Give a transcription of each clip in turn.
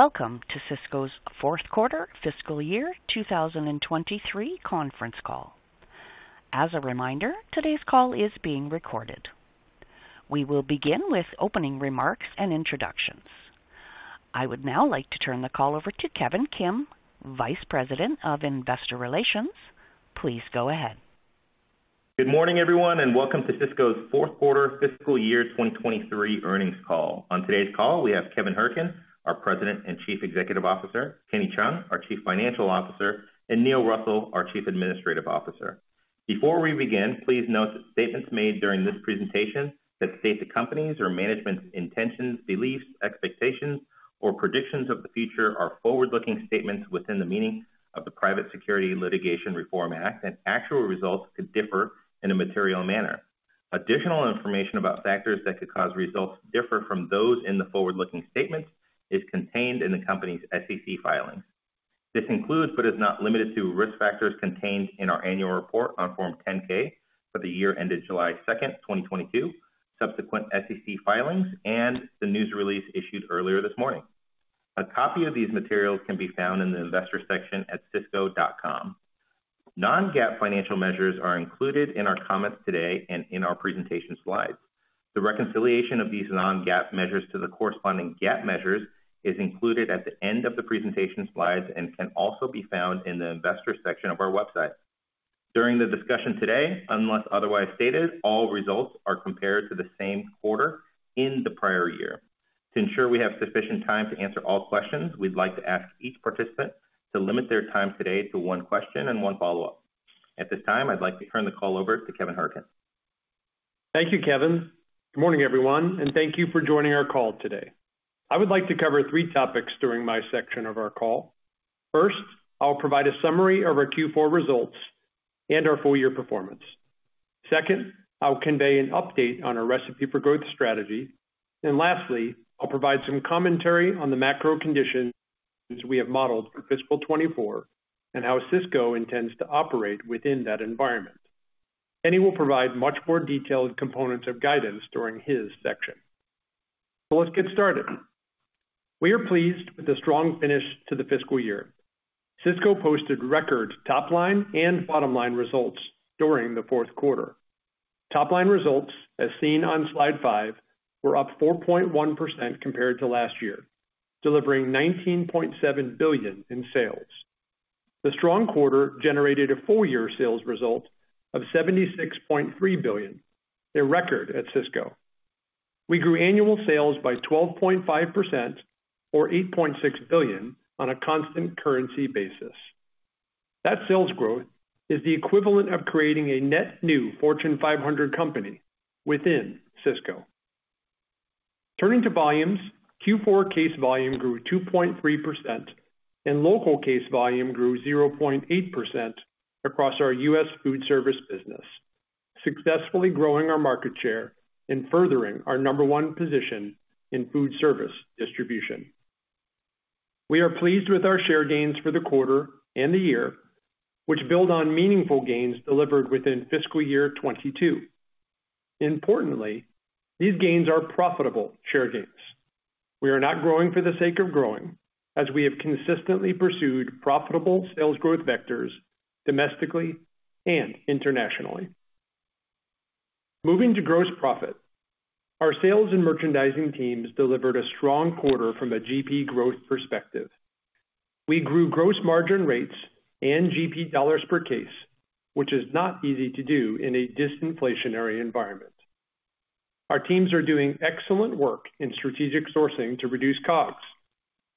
Welcome to Sysco's fourth quarter fiscal year 2023 conference call. As a reminder, today's call is being recorded. We will begin with opening remarks and introductions. I would now like to turn the call over to Kevin Kim, Vice President of Investor Relations. Please go ahead. Good morning, everyone, welcome to Sysco's fourth quarter fiscal year 2023 earnings call. On today's call, we have Kevin Hourican, our President and Chief Executive Officer, Kenny Cheung, our Chief Financial Officer, and Neil Russell, our Chief Administrative Officer. Before we begin, please note that statements made during this presentation that state the company's or management's intentions, beliefs, expectations, or predictions of the future are forward-looking statements within the meaning of the Private Securities Litigation Reform Act, and actual results could differ in a material manner. Additional information about factors that could cause results to differ from those in the forward-looking statements is contained in the company's SEC filings. This includes, but is not limited to, risk factors contained in our annual report on Form 10-K for the year ended July 2, 2022, subsequent SEC filings, and the news release issued earlier this morning. A copy of these materials can be found in the investor section at sysco.com. Non-GAAP financial measures are included in our comments today and in our presentation slides. The reconciliation of these non-GAAP measures to the corresponding GAAP measures is included at the end of the presentation slides and can also be found in the investor section of our website. During the discussion today, unless otherwise stated, all results are compared to the same quarter in the prior year. To ensure we have sufficient time to answer all questions, we'd like to ask each participant to limit their time today to one question and one follow-up. At this time, I'd like to turn the call over to Kevin Hourican. Thank you, Kevin. Good morning, everyone, thank you for joining our call today. I would like to cover three topics during my section of our call. First, I'll provide a summary of our Q4 results and our full year performance. Second, I'll convey an update on our Recipe for Growth strategy. Lastly, I'll provide some commentary on the macro conditions we have modeled for fiscal 2024 and how Sysco intends to operate within that environment. Kenny will provide much more detailed components of guidance during his section. Let's get started. We are pleased with the strong finish to the fiscal year. Sysco posted record top line and bottom line results during the fourth quarter. Top line results, as seen on Slide 5, were up 4.1% compared to last year, delivering $19.7 billion in sales. The strong quarter generated a full-year sales result of $76.3 billion, a record at Sysco. We grew annual sales by 12.5% or $8.6 billion on a constant currency basis. That sales growth is the equivalent of creating a net new Fortune 500 company within Sysco. Turning to volumes, Q4 case volume grew 2.3%, and local case volume grew 0.8% across our U.S. Foodservice business, successfully growing our market share and furthering our number one position in foodservice distribution. We are pleased with our share gains for the quarter and the year, which build on meaningful gains delivered within fiscal year 2022. Importantly, these gains are profitable share gains. We are not growing for the sake of growing, as we have consistently pursued profitable sales growth vectors domestically and internationally. Moving to gross profit. Our sales and merchandising teams delivered a strong quarter from a GP growth perspective. We grew gross margin rates and GP dollars per case, which is not easy to do in a disinflationary environment. Our teams are doing excellent work in strategic sourcing to reduce costs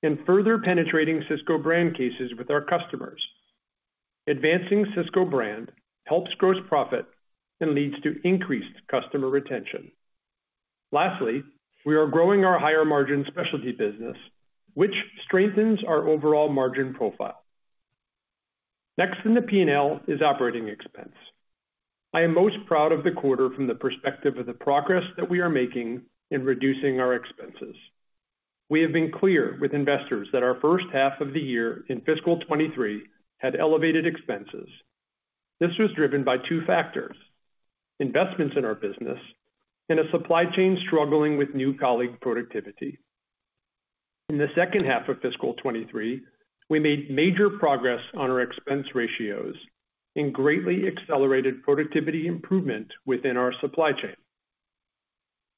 and further penetrating Sysco Brand cases with our customers. Advancing Sysco Brand helps gross profit and leads to increased customer retention. Lastly, we are growing our higher margin specialty business, which strengthens our overall margin profile. Next in the P&L is operating expense. I am most proud of the quarter from the perspective of the progress that we are making in reducing our expenses. We have been clear with investors that our first half of the year in fiscal 2023 had elevated expenses. This was driven by two factors: investments in our business and a supply chain struggling with new colleague productivity. In the second half of FY 2023, we made major progress on our expense ratios and greatly accelerated productivity improvement within our supply chain.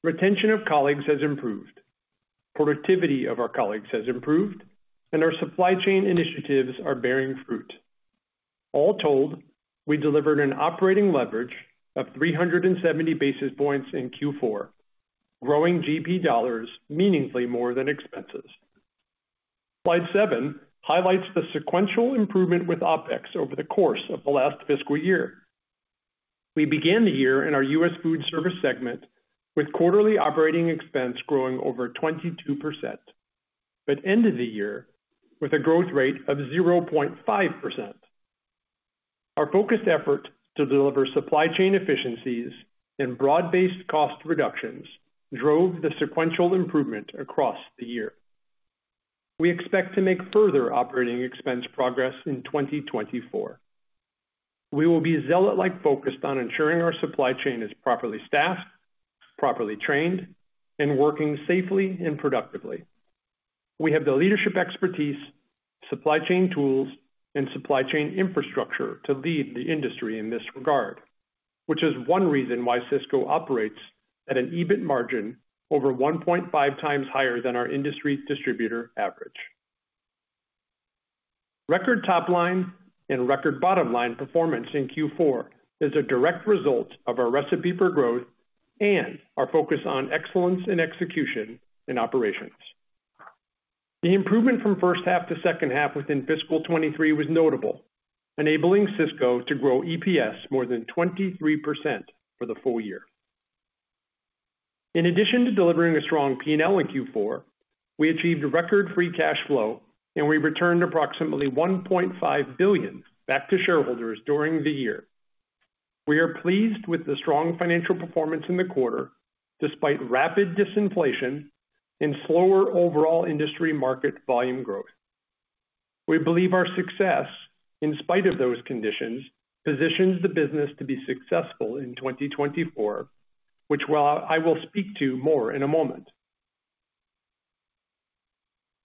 Retention of colleagues has improved, productivity of our colleagues has improved, and our supply chain initiatives are bearing fruit. All told, we delivered an operating leverage of 370 basis points in Q4, growing GP dollars meaningfully more than expenses. Slide 7 highlights the sequential improvement with OpEx over the course of the last fiscal year. We began the year in our U.S. Foodservice segment with quarterly operating expense growing over 22%, but ended the year with a growth rate of 0.5%. Our focused effort to deliver supply chain efficiencies and broad-based cost reductions drove the sequential improvement across the year. We expect to make further operating expense progress in 2024. We will be zealot-like focused on ensuring our supply chain is properly staffed, properly trained, and working safely and productively. We have the leadership expertise, supply chain tools, and supply chain infrastructure to lead the industry in this regard, which is one reason why Sysco operates at an EBIT margin over 1.5x higher than our industry distributor average. Record top line and record bottom line performance in Q4 is a direct result of our Recipe for Growth and our focus on excellence in execution and operations. The improvement from first half to second half within fiscal 2023 was notable, enabling Sysco to grow EPS more than 23% for the full year. In addition to delivering a strong P&L in Q4, we achieved a record free cash flow, and we returned approximately $1.5 billion back to shareholders during the year. We are pleased with the strong financial performance in the quarter, despite rapid disinflation and slower overall industry market volume growth. We believe our success, in spite of those conditions, positions the business to be successful in 2024, which, I will speak to more in a moment.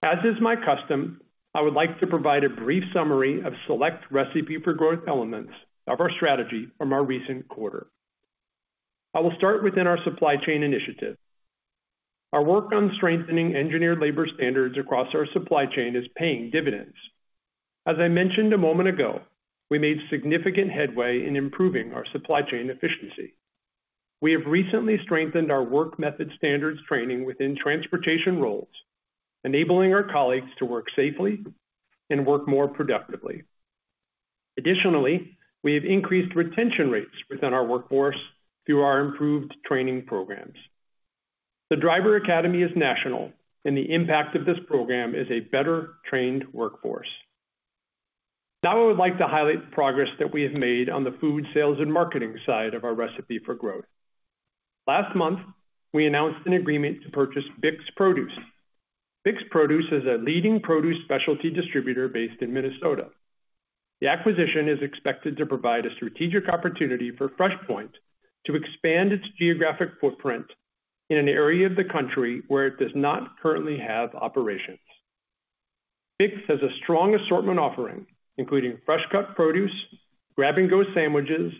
As is my custom, I would like to provide a brief summary of select Recipe for Growth elements of our strategy from our recent quarter. I will start within our supply chain initiative. Our work on strengthening Engineered Labor Standards across our supply chain is paying dividends. As I mentioned a moment ago, we made significant headway in improving our supply chain efficiency. We have recently strengthened our work method standards training within transportation roles, enabling our colleagues to work safely and work more productively. Additionally, we have increased retention rates within our workforce through our improved training programs. The Driver Academy is national, and the impact of this program is a better-trained workforce. Now, I would like to highlight the progress that we have made on the food, sales, and marketing side of our Recipe for Growth. Last month, we announced an agreement to purchase BIX Produce. BIX Produce is a leading produce specialty distributor based in Minnesota. The acquisition is expected to provide a strategic opportunity for FreshPoint to expand its geographic footprint in an area of the country where it does not currently have operations. BIX has a strong assortment offering, including fresh cut produce, grab-and-go sandwiches,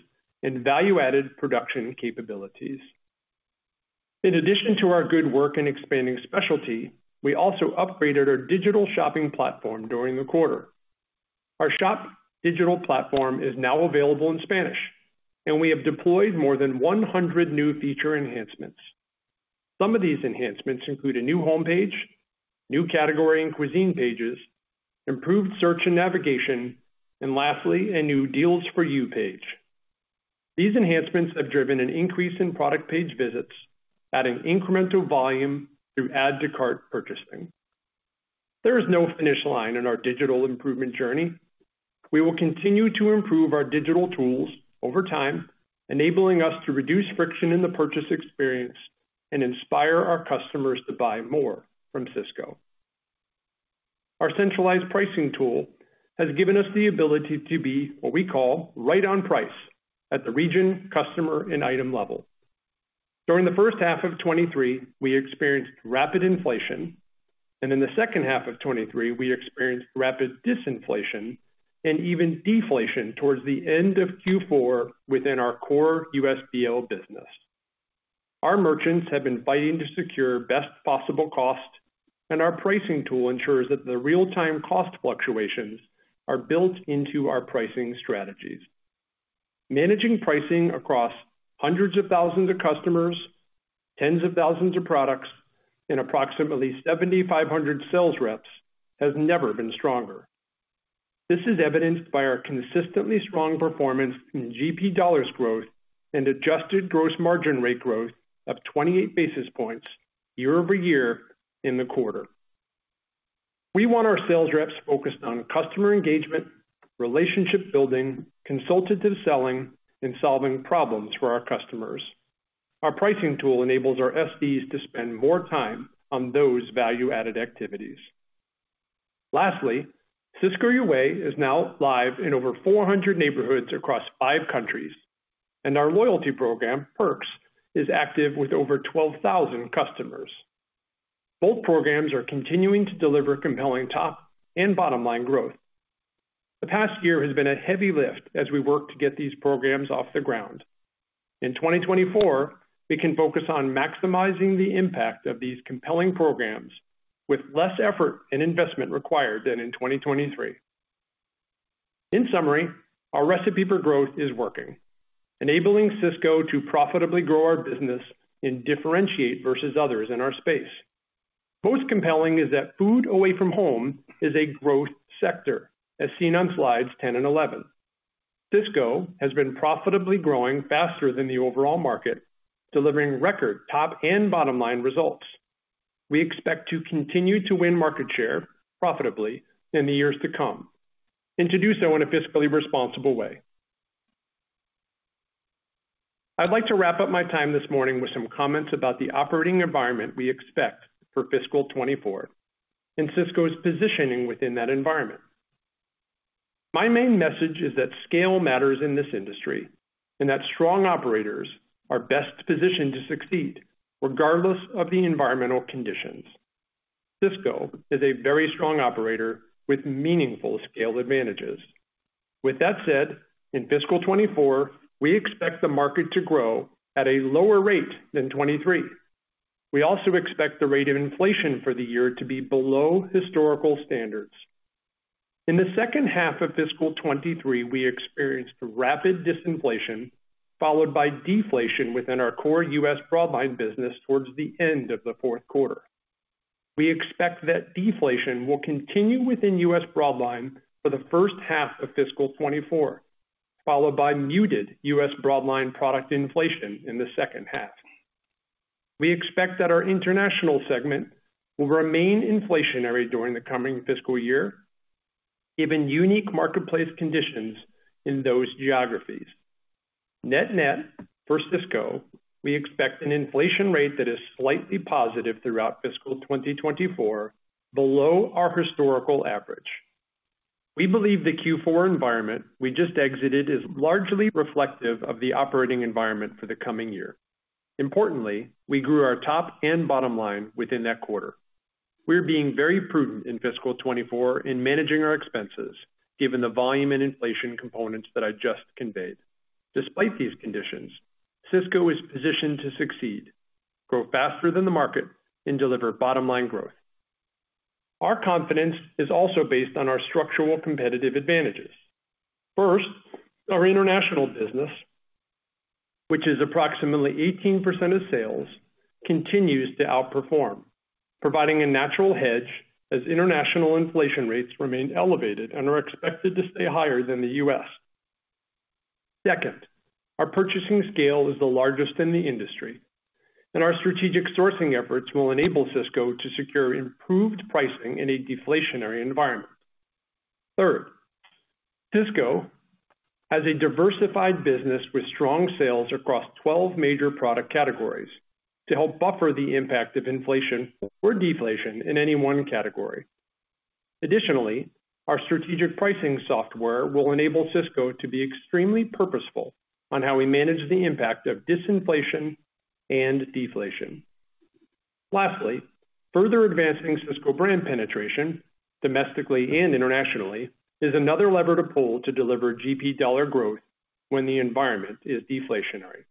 and value-added production capabilities. In addition to our good work in expanding specialty, we also upgraded our digital shopping platform during the quarter. Our shop digital platform is now available in Spanish, and we have deployed more than 100 new feature enhancements. Some of these enhancements include a new homepage, new category and cuisine pages, improved search and navigation, and lastly, a new deals for you page. These enhancements have driven an increase in product page visits, adding incremental volume through add to cart purchasing. There is no finish line in our digital improvement journey. We will continue to improve our digital tools over time, enabling us to reduce friction in the purchase experience and inspire our customers to buy more from Sysco. Our centralized pricing tool has given us the ability to be what we call right on price at the region, customer, and item level. During the first half of 2023, we experienced rapid inflation, and in the second half of 2023, we experienced rapid disinflation and even deflation towards the end of Q4 within our core USBL business. Our merchants have been fighting to secure best possible cost, and our pricing tool ensures that the real-time cost fluctuations are built into our pricing strategies. Managing pricing across hundreds of thousands of customers, tens of thousands of products, and approximately 7,500 Sales Reps has never been stronger. This is evidenced by our consistently strong performance in GP dollars growth and adjusted gross margin rate growth of 28 basis points year-over-year in the quarter. We want our Sales Reps focused on customer engagement, relationship building, consultative selling, and solving problems for our customers. Our pricing tool enables our SBS to spend more time on those value-added activities. Lastly, Sysco Your Way is now live in over 400 neighborhoods across five countries, and our loyalty program, Perks, is active with over 12,000 customers. Both programs are continuing to deliver compelling top and bottom-line growth. The past year has been a heavy lift as we work to get these programs off the ground. In 2024, we can focus on maximizing the impact of these compelling programs with less effort and investment required than in 2023. In summary, our Recipe for Growth is working, enabling Sysco to profitably grow our business and differentiate versus others in our space. Most compelling is that food away from home is a growth sector, as seen on Slides 10 and 11. Sysco has been profitably growing faster than the overall market, delivering record top and bottom-line results. We expect to continue to win market share profitably in the years to come and to do so in a fiscally responsible way. I'd like to wrap up my time this morning with some comments about the operating environment we expect for fiscal 2024, and Sysco's positioning within that environment. My main message is that scale matters in this industry, and that strong operators are best positioned to succeed, regardless of the environmental conditions. Sysco is a very strong operator with meaningful scale advantages. With that said, in fiscal 2024, we expect the market to grow at a lower rate than 2023. We also expect the rate of inflation for the year to be below historical standards. In the second half of fiscal 2023, we experienced rapid disinflation, followed by deflation within our core U.S. Broadline business towards the end of the fourth quarter. We expect that deflation will continue within U.S. Broadline for the first half of fiscal 2024, followed by muted U.S. Broadline product inflation in the second half. We expect that our international segment will remain inflationary during the coming fiscal year, given unique marketplace conditions in those geographies. Net-net, for Sysco, we expect an inflation rate that is slightly positive throughout fiscal 2024, below our historical average. We believe the Q4 environment we just exited is largely reflective of the operating environment for the coming year. Importantly, we grew our top and bottom line within that quarter. We're being very prudent in fiscal 2024 in managing our expenses, given the volume and inflation components that I just conveyed. Despite these conditions, Sysco is positioned to succeed, grow faster than the market, and deliver bottom line growth. Our confidence is also based on our structural competitive advantages. First, our international business, which is approximately 18% of sales, continues to outperform, providing a natural hedge as international inflation rates remain elevated and are expected to stay higher than the U.S. Second, our purchasing scale is the largest in the industry, and our strategic sourcing efforts will enable Sysco to secure improved pricing in a deflationary environment. Third, Sysco has a diversified business with strong sales across 12 major product categories to help buffer the impact of inflation or deflation in any one category. Additionally, our strategic pricing software will enable Sysco to be extremely purposeful on how we manage the impact of disinflation and deflation. Lastly, further advancing Sysco Brand penetration, domestically and internationally, is another lever to pull to deliver GP dollar growth when the environment is deflationary.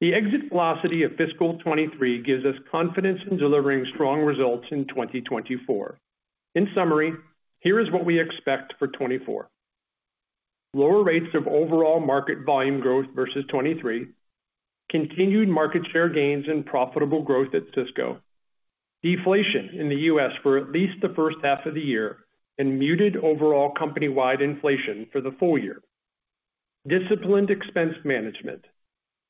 The exit velocity of fiscal 2023 gives us confidence in delivering strong results in 2024. In summary, here is what we expect for 2024. Lower rates of overall market volume growth versus 2023, continued market share gains and profitable growth at Sysco, deflation in the U.S. for at least the first half of the year, and muted overall company-wide inflation for the full year. Disciplined expense management.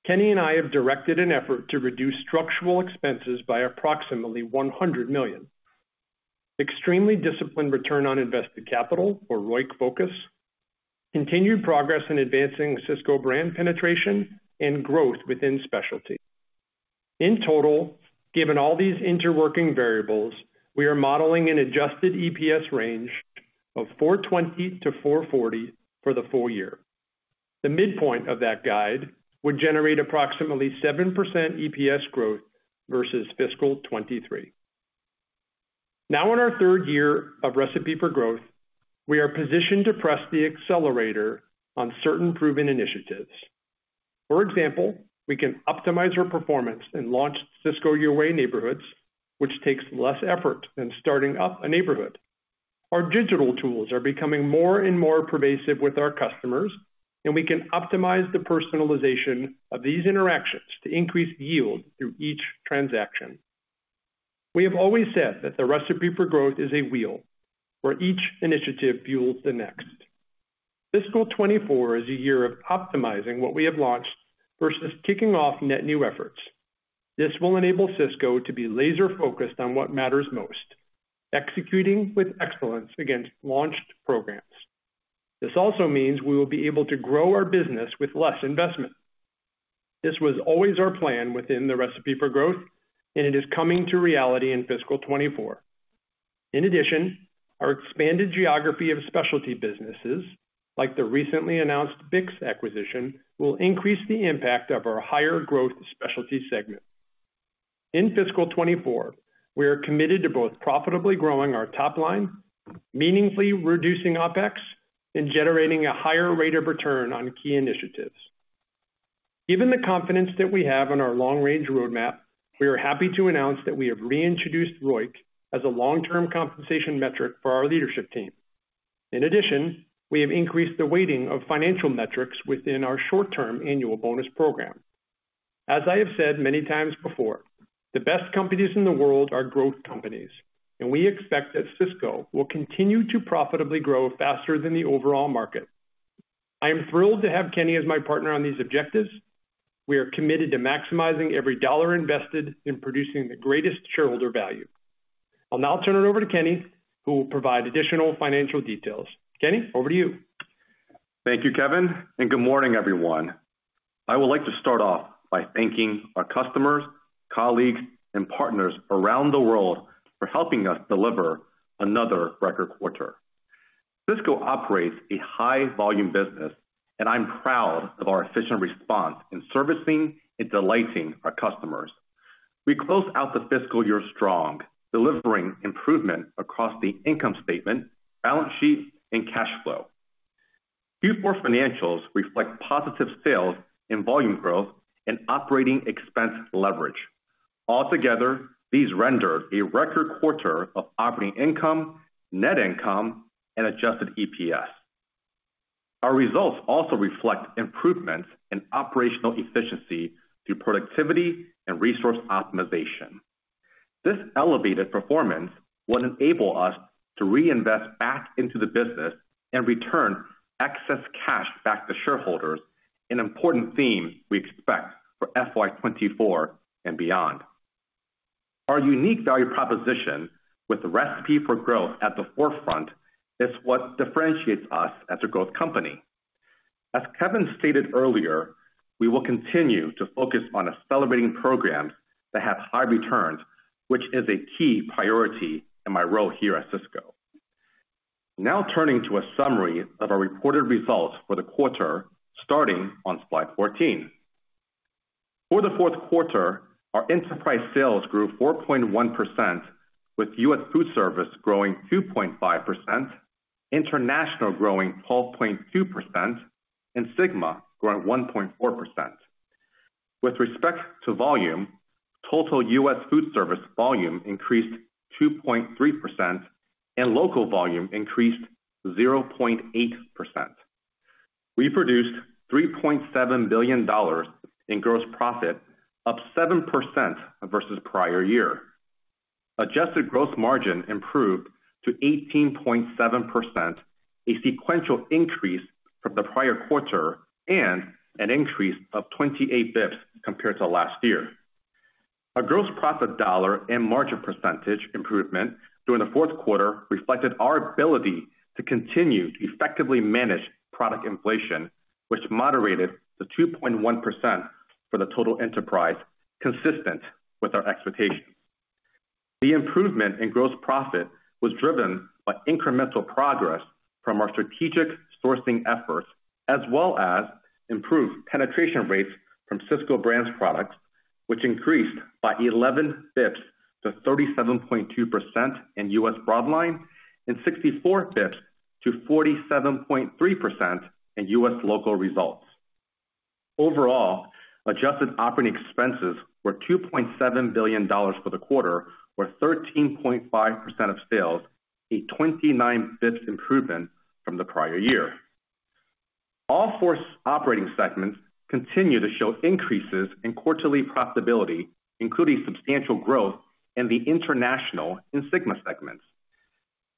Kenny and I have directed an effort to reduce structural expenses by approximately $100 million. Extremely disciplined return on invested capital, or ROIC focus, continued progress in advancing Sysco Brand penetration and growth within specialty. In total, given all these interworking variables, we are modeling an adjusted EPS range of $4.20-$4.40 for the full year. The midpoint of that guide would generate approximately 7% EPS growth versus fiscal 2023. Now in our third year of Recipe for Growth, we are positioned to press the accelerator on certain proven initiatives. For example, we can optimize our performance and launch Sysco Your Way neighborhoods, which takes less effort than starting up a neighborhood. Our digital tools are becoming more and more pervasive with our customers. We can optimize the personalization of these interactions to increase yield through each transaction. We have always said that the Recipe for Growth is a wheel, where each initiative fuels the next. Fiscal 2024 is a year of optimizing what we have launched versus kicking off net new efforts. This will enable Sysco to be laser focused on what matters most, executing with excellence against launched programs. This also means we will be able to grow our business with less investment. This was always our plan within the Recipe for Growth. It is coming to reality in fiscal 2024. In addition, our expanded geography of specialty businesses, like the recently announced BIX acquisition, will increase the impact of our higher growth specialty segment. In fiscal 2024, we are committed to both profitably growing our top line, meaningfully reducing OpEx, and generating a higher rate of return on key initiatives. Given the confidence that we have in our long-range roadmap, we are happy to announce that we have reintroduced ROIC as a long-term compensation metric for our leadership team. In addition, we have increased the weighting of financial metrics within our short-term annual bonus program. As I have said many times before, the best companies in the world are growth companies, and we expect that Sysco will continue to profitably grow faster than the overall market. I am thrilled to have Kenny as my partner on these objectives. We are committed to maximizing every dollar invested in producing the greatest shareholder value. I'll now turn it over to Kenny, who will provide additional financial details. Kenny, over to you. Thank you, Kevin, and good morning, everyone. I would like to start off by thanking our customers, colleagues, and partners around the world for helping us deliver another record quarter. Sysco operates a high volume business, and I'm proud of our efficient response in servicing and delighting our customers. We closed out the fiscal year strong, delivering improvement across the income statement, balance sheet, and cash flow. Q4 financials reflect positive sales and volume growth and operating expense leverage. Altogether, these rendered a record quarter of operating income, net income and adjusted EPS. Our results also reflect improvements in operational efficiency through productivity and resource optimization. This elevated performance will enable us to reinvest back into the business and return excess cash back to shareholders, an important theme we expect for FY 2024 and beyond. Our unique value proposition with the Recipe for Growth at the forefront, is what differentiates us as a growth company. As Kevin stated earlier, we will continue to focus on accelerating programs that have high returns, which is a key priority in my role here at Sysco. Turning to a summary of our reported results for the quarter, starting on Slide 14. For the fourth quarter, our enterprise sales grew 4.1%, with U.S. Foodservice growing 2.5%, international growing 12.2%, and SYGMA growing 1.4%. With respect to volume, total U.S. Foodservice volume increased 2.3%, and local volume increased 0.8%. We produced $3.7 billion in gross profit, up 7% versus prior year. Adjusted gross margin improved to 18.7%, a sequential increase from the prior quarter and an increase of 28 basis points compared to last year. Our gross profit dollar and margin percentage improvement during the 4th quarter reflected our ability to continue to effectively manage product inflation, which moderated to 2.1% for the total enterprise, consistent with our expectations. The improvement in gross profit was driven by incremental progress from our strategic sourcing efforts, as well as improved penetration rates from Sysco Brands products, which increased by 11 basis points to 37.2% in U.S. Broadline and 64 basis points to 47.3% in U.S. local results. Overall, adjusted operating expenses were $2.7 billion for the quarter, or 13.5% of sales, a 29 basis points improvement from the prior year. All four operating segments continue to show increases in quarterly profitability, including substantial growth in the international and SYGMA segments.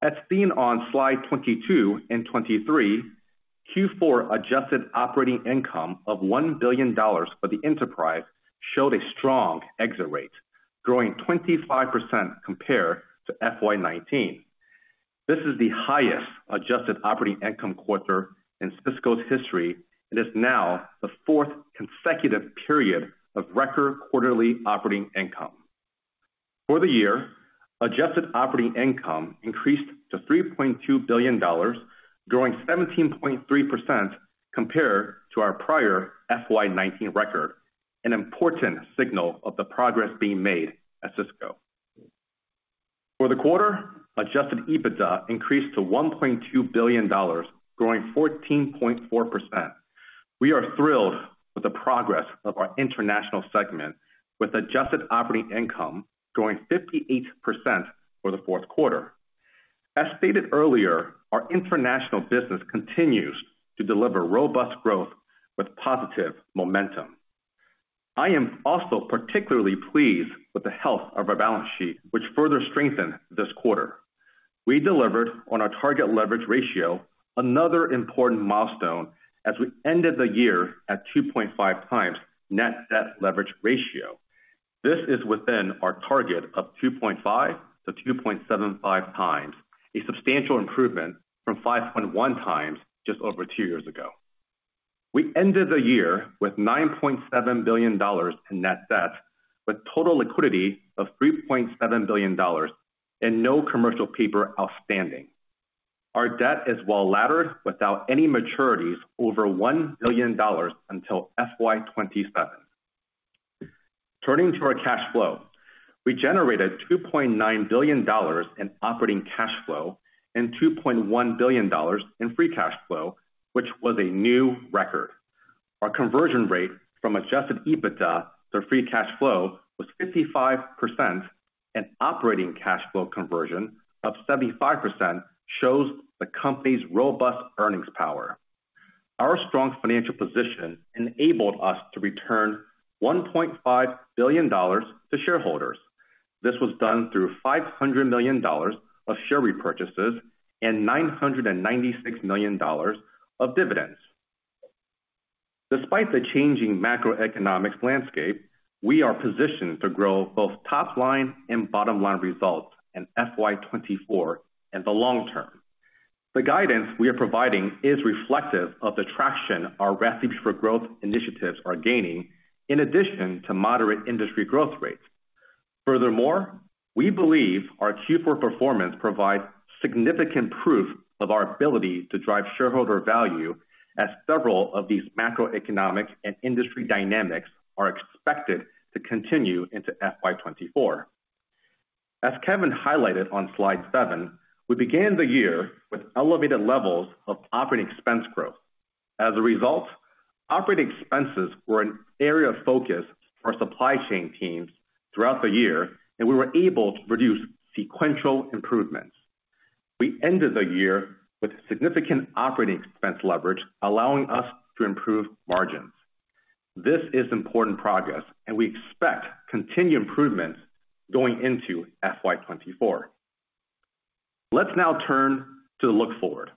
As seen on Slide 22 and 23, Q4 adjusted operating income of $1 billion for the enterprise showed a strong exit rate, growing 25% compared to FY2019. This is the highest adjusted operating income quarter in Sysco's history and is now the fourth consecutive period of record quarterly operating income. For the year, adjusted operating income increased to $3.2 billion, growing 17.3% compared to our prior FY 2019 record, an important signal of the progress being made at Sysco. For the quarter, adjusted EBITDA increased to $1.2 billion, growing 14.4%. We are thrilled with the progress of our international segment, with adjusted operating income growing 58% for the fourth quarter. As stated earlier, our international business continues to deliver robust growth with positive momentum. I am also particularly pleased with the health of our balance sheet, which further strengthened this quarter. We delivered on our target leverage ratio, another important milestone as we ended the year at 2.5x net debt leverage ratio. This is within our target of 2.5-2.75x, a substantial improvement from 5.1 times just over two years ago. We ended the year with $9.7 billion in net debt, with total liquidity of $3.7 billion and no commercial paper outstanding. Our debt is well laddered without any maturities over $1 billion until FY 2027. Turning to our cash flow. We generated $2.9 billion in operating cash flow and $2.1 billion in free cash flow, which was a new record. Our conversion rate from adjusted EBITDA to free cash flow was 55%, and operating cash flow conversion of 75% shows the company's robust earnings power. Our strong financial position enabled us to return $1.5 billion to shareholders. This was done through $500 million of share repurchases and $996 million of dividends. Despite the changing macroeconomics landscape, we are positioned to grow both top line and bottom line results in FY 2024 and the long term. The guidance we are providing is reflective of the traction our Recipe for Growth initiatives are gaining, in addition to moderate industry growth rates. Furthermore, we believe our Q4 performance provides significant proof of our ability to drive shareholder value, as several of these macroeconomic and industry dynamics are expected to continue into FY 2024. As Kevin highlighted on Slide 7, we began the year with elevated levels of operating expense growth. As a result, operating expenses were an area of focus for our supply chain teams throughout the year, and we were able to produce sequential improvements. We ended the year with significant operating expense leverage, allowing us to improve margins. This is important progress, and we expect continued improvements going into FY 2024. Let's now turn to the look forward.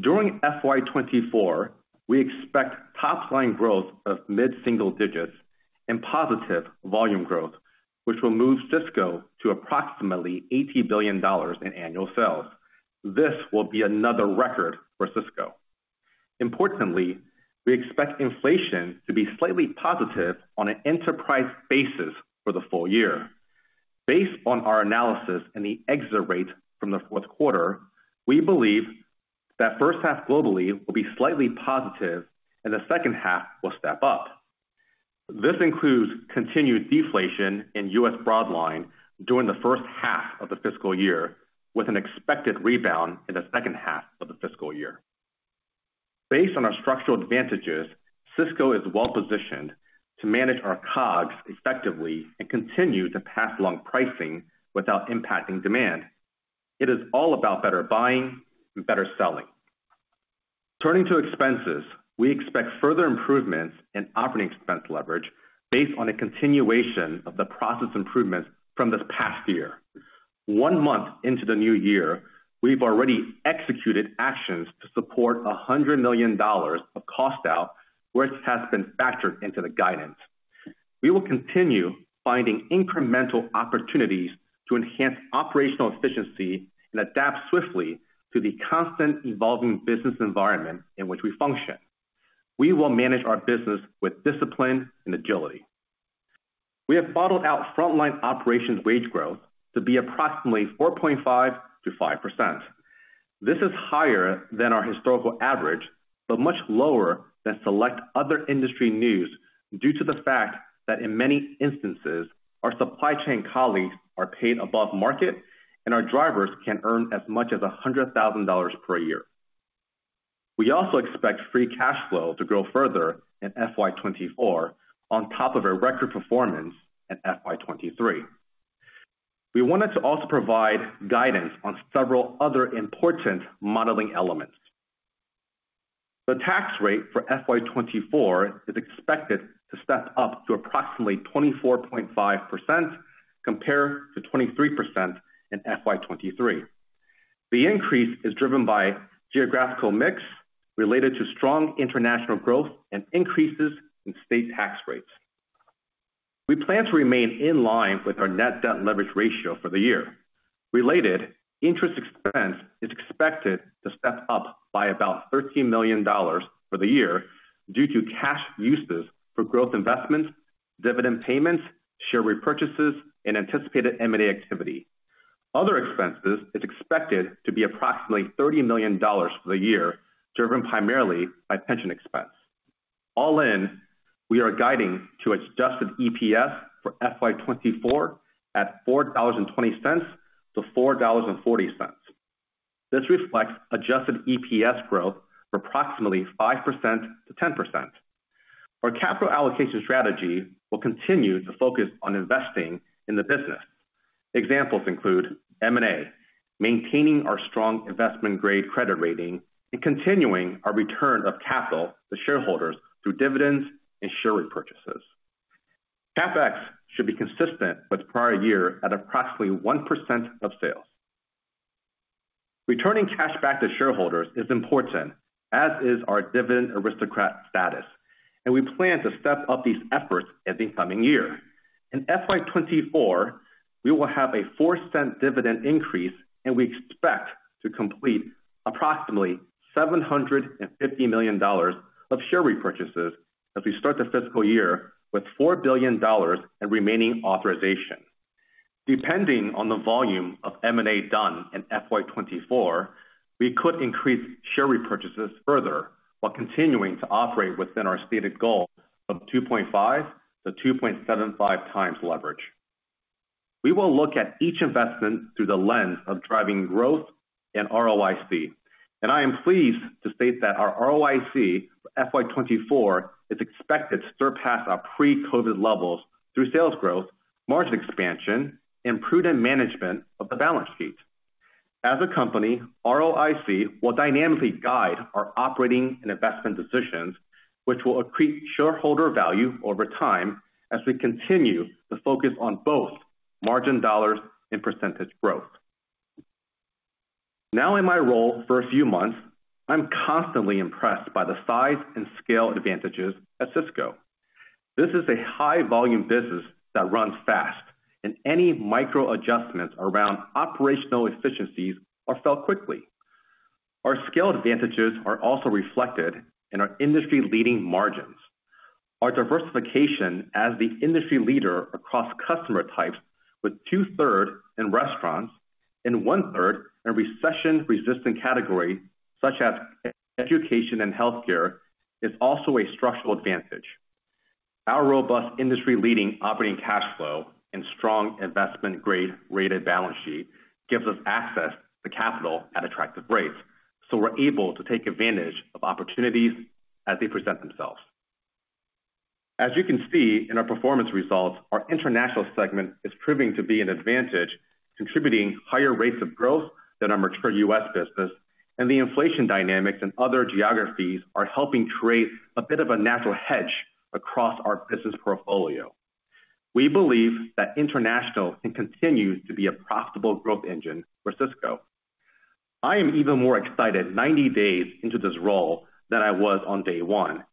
During FY 2024, we expect top line growth of mid-single digits and positive volume growth, which will move Sysco to approximately $80 billion in annual sales. This will be another record for Sysco. Importantly, we expect inflation to be slightly positive on an enterprise basis for the full year. Based on our analysis and the exit rate from the fourth quarter, we believe that 1st half globally will be slightly positive and the second half will step up. This includes continued deflation in U.S. Broadline during the first half of the fiscal year, with an expected rebound in the 2nd half of the fiscal year. Based on our structural advantages, Sysco is well positioned to manage our COGS effectively and continue to pass along pricing without impacting demand. It is all about better buying and better selling. Turning to expenses, we expect further improvements in operating expense leverage based on a continuation of the process improvements from this past year. One month into the new year, we've already executed actions to support $100 million of cost out, which has been factored into the guidance. We will continue finding incremental opportunities to enhance operational efficiency and adapt swiftly to the constant evolving business environment in which we function. We will manage our business with discipline and agility. We have bottled out frontline operations wage growth to be approximately 4.5%-5%. This is higher than our historical average, but much lower than select other industry news, due to the fact that in many instances, our supply chain colleagues are paid above market and our drivers can earn as much as $100,000 per year. We also expect free cash flow to grow further in FY 2024, on top of our record performance in FY 2023. We wanted to also provide guidance on several other important modeling elements. The tax rate for FY 2024 is expected to step up to approximately 24.5%, compared to 23% in FY 2023. The increase is driven by geographical mix related to strong international growth and increases in state tax rates. We plan to remain in line with our net debt leverage ratio for the year. Related interest expense is expected to step up by about $13 million for the year due to cash uses for growth investments, dividend payments, share repurchases, and anticipated M&A activity. Other expenses is expected to be approximately $30 million for the year, driven primarily by pension expense. All in, we are guiding to adjusted EPS for FY 2024 at $4.20-$4.40. This reflects adjusted EPS growth of approximately 5%-10%. Our capital allocation strategy will continue to focus on investing in the business. Examples include M&A, maintaining our strong investment grade credit rating, and continuing our return of capital to shareholders through dividends and share repurchases. CapEx should be consistent with prior year at approximately 1% of sales. Returning cash back to shareholders is important, as is our Dividend Aristocrat status, and we plan to step up these efforts in the coming year. In FY 2024, we will have a $0.04 dividend increase, and we expect to complete approximately $750 million of share repurchases as we start the fiscal year with $4 billion in remaining authorization. Depending on the volume of M&A done in FY 2024, we could increase share repurchases further while continuing to operate within our stated goal of 2.5-2.75x leverage. We will look at each investment through the lens of driving growth and ROIC, and I am pleased to state that our ROIC for FY 2024 is expected to surpass our pre-COVID levels through sales growth, margin expansion, and prudent management of the balance sheet. As a company, ROIC will dynamically guide our operating and investment decisions, which will accrete shareholder value over time as we continue to focus on both margin dollars and percentage growth. Now in my role for a few months, I'm constantly impressed by the size and scale advantages at Sysco. This is a high volume business that runs fast, and any micro adjustments around operational efficiencies are felt quickly. Our scale advantages are also reflected in our industry-leading margins. Our diversification as the industry leader across customer types, with two-thirds in restaurants and one-third in recession-resistant categories, such as education and healthcare, is also a structural advantage. Our robust industry-leading operating cash flow and strong investment grade rated balance sheet gives us access to capital at attractive rates, so we're able to take advantage of opportunities as they present themselves. As you can see in our performance results, our international segment is proving to be an advantage, contributing higher rates of growth than our mature U.S. business, and the inflation dynamics in other geographies are helping create a bit of a natural hedge across our business portfolio. We believe that international can continue to be a profitable growth engine for Sysco. I am even more excited 90 days into this role than I was on day one,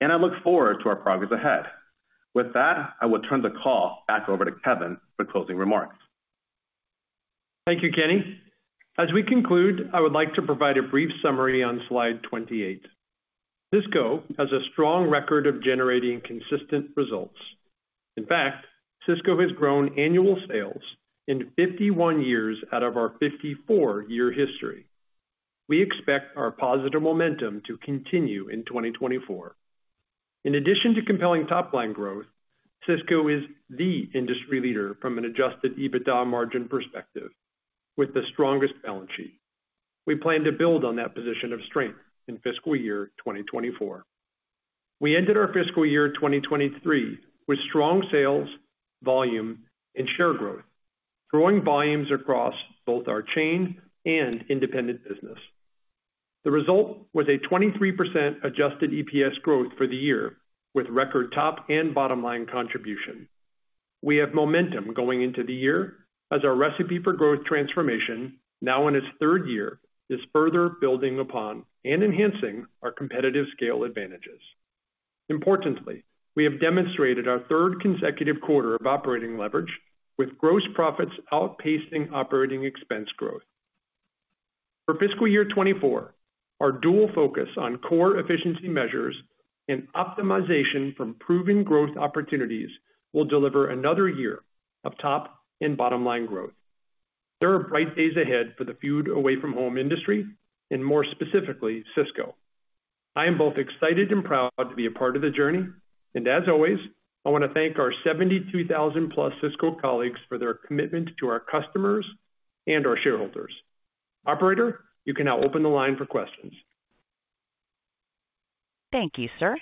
and I look forward to our progress ahead. With that, I will turn the call back over to Kevin for closing remarks. Thank you, Kenny. As we conclude, I would like to provide a brief summary on Slide 28. Sysco has a strong record of generating consistent results. In fact, Sysco has grown annual sales in 51 years out of our 54 year history. We expect our positive momentum to continue in 2024. In addition to compelling top line growth, Sysco is the industry leader from an adjusted EBITDA margin perspective, with the strongest balance sheet. We plan to build on that position of strength in fiscal year 2024. We ended our fiscal year 2023 with strong sales, volume and share growth, growing volumes across both our chain and independent business. The result was a 23% adjusted EPS growth for the year, with record top and bottom line contribution. We have momentum going into the year as our Recipe for Growth transformation, now in its 3rd year, is further building upon and enhancing our competitive scale advantages. Importantly, we have demonstrated our 3rd consecutive quarter of operating leverage, with gross profits outpacing operating expense growth. For fiscal year 2024, our dual focus on core efficiency measures and optimization from proven growth opportunities will deliver another year of top and bottom line growth. There are bright days ahead for the Food Away From Home industry and more specifically, Sysco. I am both excited and proud to be a part of the journey, and as always, I want to thank our 72,000+ Sysco colleagues for their commitment to our customers and our shareholders. Operator, you can now open the line for questions. Thank you, sir.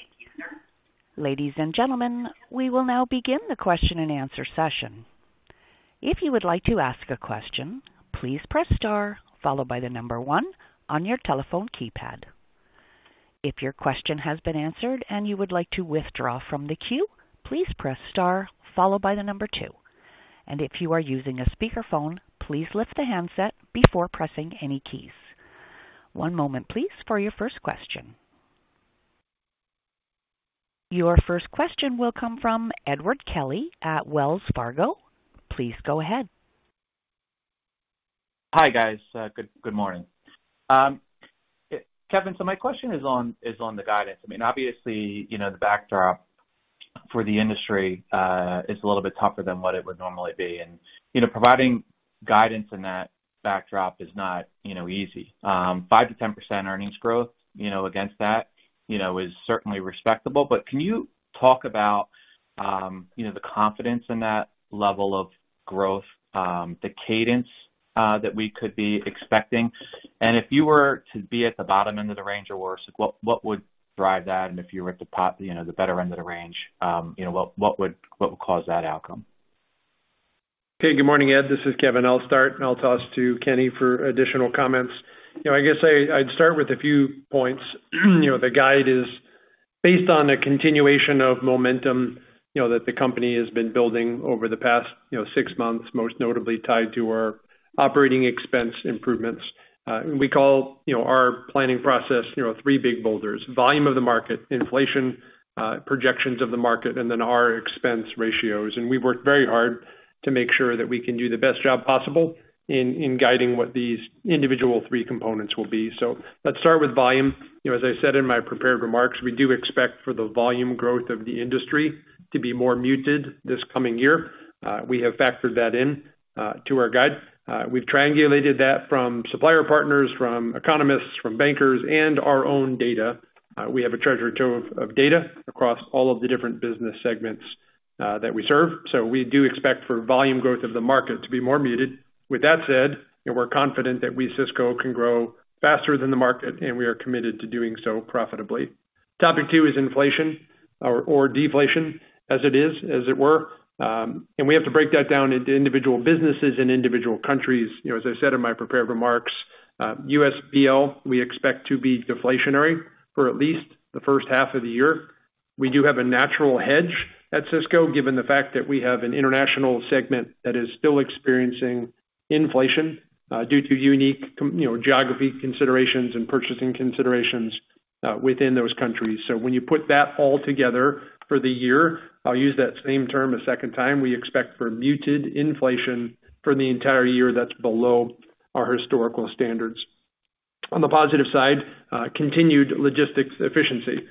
Ladies and gentlemen, we will now begin the question and answer session. If you would like to ask a question, please press star, followed by the number one on your telephone keypad. If your question has been answered and you would like to withdraw from the queue, please press star, followed by the number two. If you are using a speakerphone, please lift the handset before pressing any keys. One moment, please, for your first question. Your first question will come from Edward Kelly at Wells Fargo. Please go ahead. Hi, guys. Good morning. Kevin, my question is on, is on the guidance. I mean, obviously, you know, the backdrop for the industry is a little bit tougher than what it would normally be. You know, providing guidance in that backdrop is not, you know, easy. 5%-10% earnings growth, you know, against that, you know, is certainly respectable. Can you talk about, you know, the confidence in that level of growth, the cadence that we could be expecting? If you were to be at the bottom end of the range or worse, what, what would drive that? If you were at the top, you know, the better end of the range, you know, what, what would, what would cause that outcome? Okay, good morning, Ed. This is Kevin. I'll start and I'll toss to Kenny for additional comments. You know, I guess I, I'd start with a few points. You know, the guide is based on a continuation of momentum, you know, that the company has been building over the past, you know, six months, most notably tied to our operating expense improvements. We call, you know, our planning process, you know, three big boulders: volume of the market, inflation, projections of the market, and then our expense ratios. We've worked very hard to make sure that we can do the best job possible in, in guiding what these individual three components will be. Let's start with volume. You know, as I said in my prepared remarks, we do expect for the volume growth of the industry to be more muted this coming year. Uh, we have factored that in, uh, to our guide. Uh, we've triangulated that from supplier partners, from economists, from bankers, and our own data. Uh, we have a treasure trove of data across all of the different business segments, uh, that we serve. So we do expect for volume growth of the market to be more muted. With that said, we're confident that we, Sysco, can grow faster than the market, and we are committed to doing so profitably. Topic two is inflation or, or deflation as it is, as it were. Um, and we have to break that down into individual businesses and individual countries. You know, as I said in my prepared remarks, uh, USBL, we expect to be deflationary for at least the first half of the year.... we do have a natural hedge at Sysco, given the fact that we have an international segment that is still experiencing inflation, due to unique you know, geography considerations and purchasing considerations, within those countries. When you put that all together for the year, I'll use that same term a second time, we expect for muted inflation for the entire year that's below our historical standards. On the positive side, continued logistics efficiency.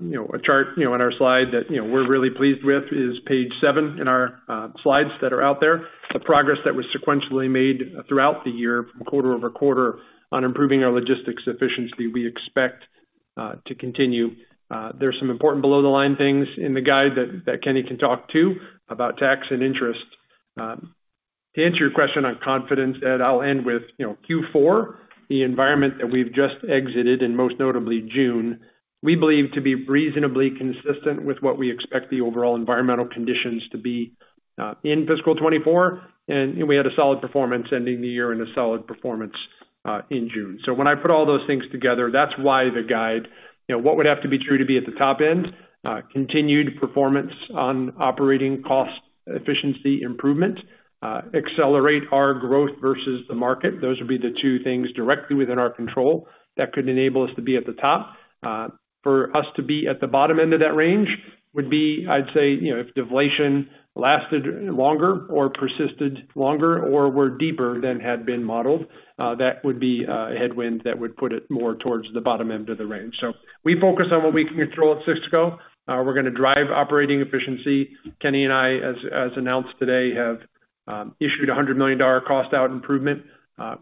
you know, a chart, you know, on our slide that, you know, we're really pleased with is page seven in our slides that are out there. The progress that was sequentially made throughout the year from quarter-over-quarter on improving our logistics efficiency, we expect to continue. There's some important below-the-line things in the guide that Kenny can talk to about tax and interest. To answer your question on confidence, Ed, I'll end with, you know, Q4, the environment that we've just exited, and most notably June, we believe to be reasonably consistent with what we expect the overall environmental conditions to be, in fiscal 2024, and we had a solid performance ending the year and a solid performance, in June. When I put all those things together, that's why the guide. You know, what would have to be true to be at the top end? Continued performance on operating cost, efficiency improvement, accelerate our growth versus the market. Those would be the two things directly within our control that could enable us to be at the top. For us to be at the bottom end of that range, would be, I'd say, you know, if deflation lasted longer or persisted longer or were deeper than had been modeled, that would be a headwind that would put it more towards the bottom end of the range. We focus on what we can control at Sysco. We're gonna drive operating efficiency. Kenny and I, as, as announced today, have issued a $100 million cost out improvement,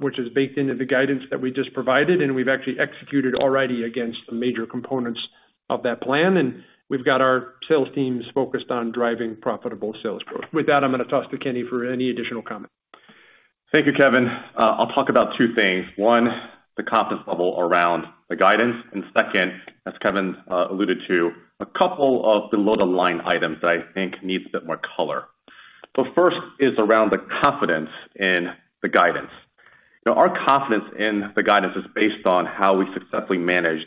which is baked into the guidance that we just provided, and we've actually executed already against the major components of that plan. We've got our sales teams focused on driving profitable sales growth. With that, I'm gonna toss to Kenny for any additional comment. Thank you, Kevin. I'll talk about 2 things. One, the confidence level around the guidance, and second, as Kevin alluded to, a couple of the below-the-line items that I think needs a bit more color. The first is around the confidence in the guidance. Our confidence in the guidance is based on how we successfully managed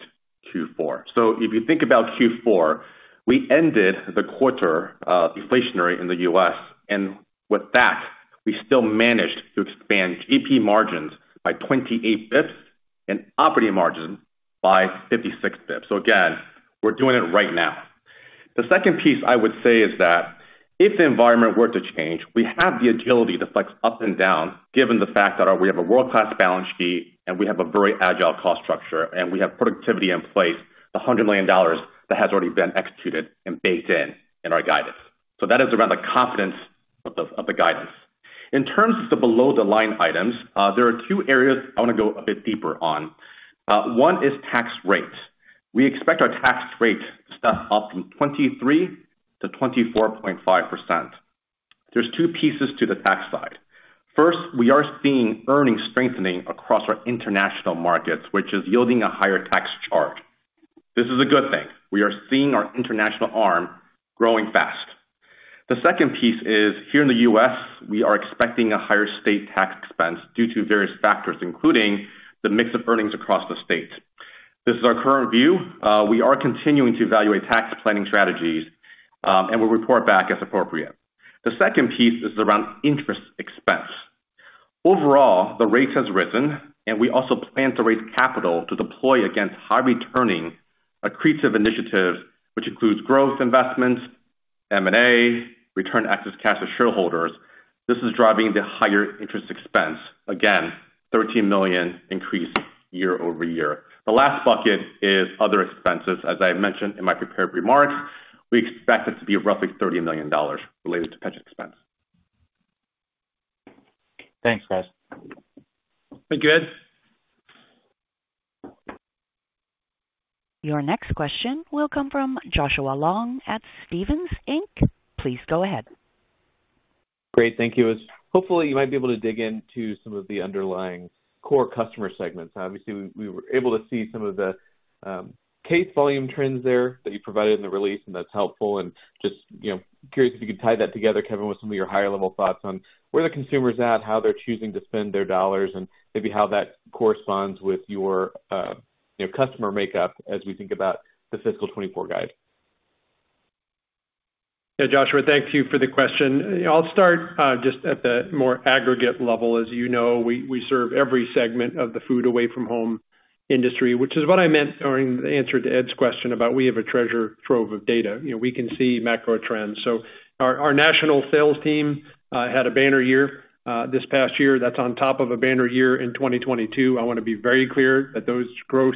Q4. If you think about Q4, we ended the quarter, deflationary in the U.S., and with that, we still managed to expand GP margins by 28 bps and operating margin by 56 bps. Again, we're doing it right now. The second piece I would say is that if the environment were to change, we have the agility to flex up and down, given the fact that we have a world-class balance sheet, and we have a very agile cost structure, and we have productivity in place, the $100 million that has already been executed and baked in in our guidance. That is around the confidence of the guidance. In terms of the below the line items, there are 2 areas I want to go a bit deeper on. 1 is tax rates. We expect our tax rate to step up from 23%-24.5%. There's 2 pieces to the tax side. First, we are seeing earnings strengthening across our international markets, which is yielding a higher tax charge. This is a good thing. We are seeing our international arm growing fast. The second piece is, here in the U.S., we are expecting a higher state tax expense due to various factors, including the mix of earnings across the states. This is our current view. We are continuing to evaluate tax planning strategies, we'll report back as appropriate. The second piece is around interest expense. Overall, the rates have risen, and we also plan to raise capital to deploy against high returning accretive initiatives, which includes growth investments, M&A, return excess cash to shareholders. This is driving the higher interest expense. Again, $13 million increase year-over-year. The last bucket is other expenses. As I mentioned in my prepared remarks, we expect it to be roughly $30 million related to pension expense. Thanks, guys. Thank you, Ed. Your next question will come from Joshua Long at Stephens Inc. Please go ahead. Great, thank you. Hopefully, you might be able to dig into some of the underlying core customer segments. Obviously, we, we were able to see some of the case volume trends there that you provided in the release, and that's helpful. Just, you know, curious if you could tie that together, Kevin, with some of your higher level thoughts on where the consumer's at, how they're choosing to spend their dollars, and maybe how that corresponds with your, you know, customer makeup as we think about the fiscal 2024 guide. Yeah, Joshua, thank you for the question. I'll start just at the more aggregate level. As you know, we, we serve every segment of the Food Away From Home industry, which is what I meant during the answer to Ed's question about we have a treasure trove of data. You know, we can see macro trends. Our, our national sales team had a banner year this past year. That's on top of a banner year in 2022. I want to be very clear that those growth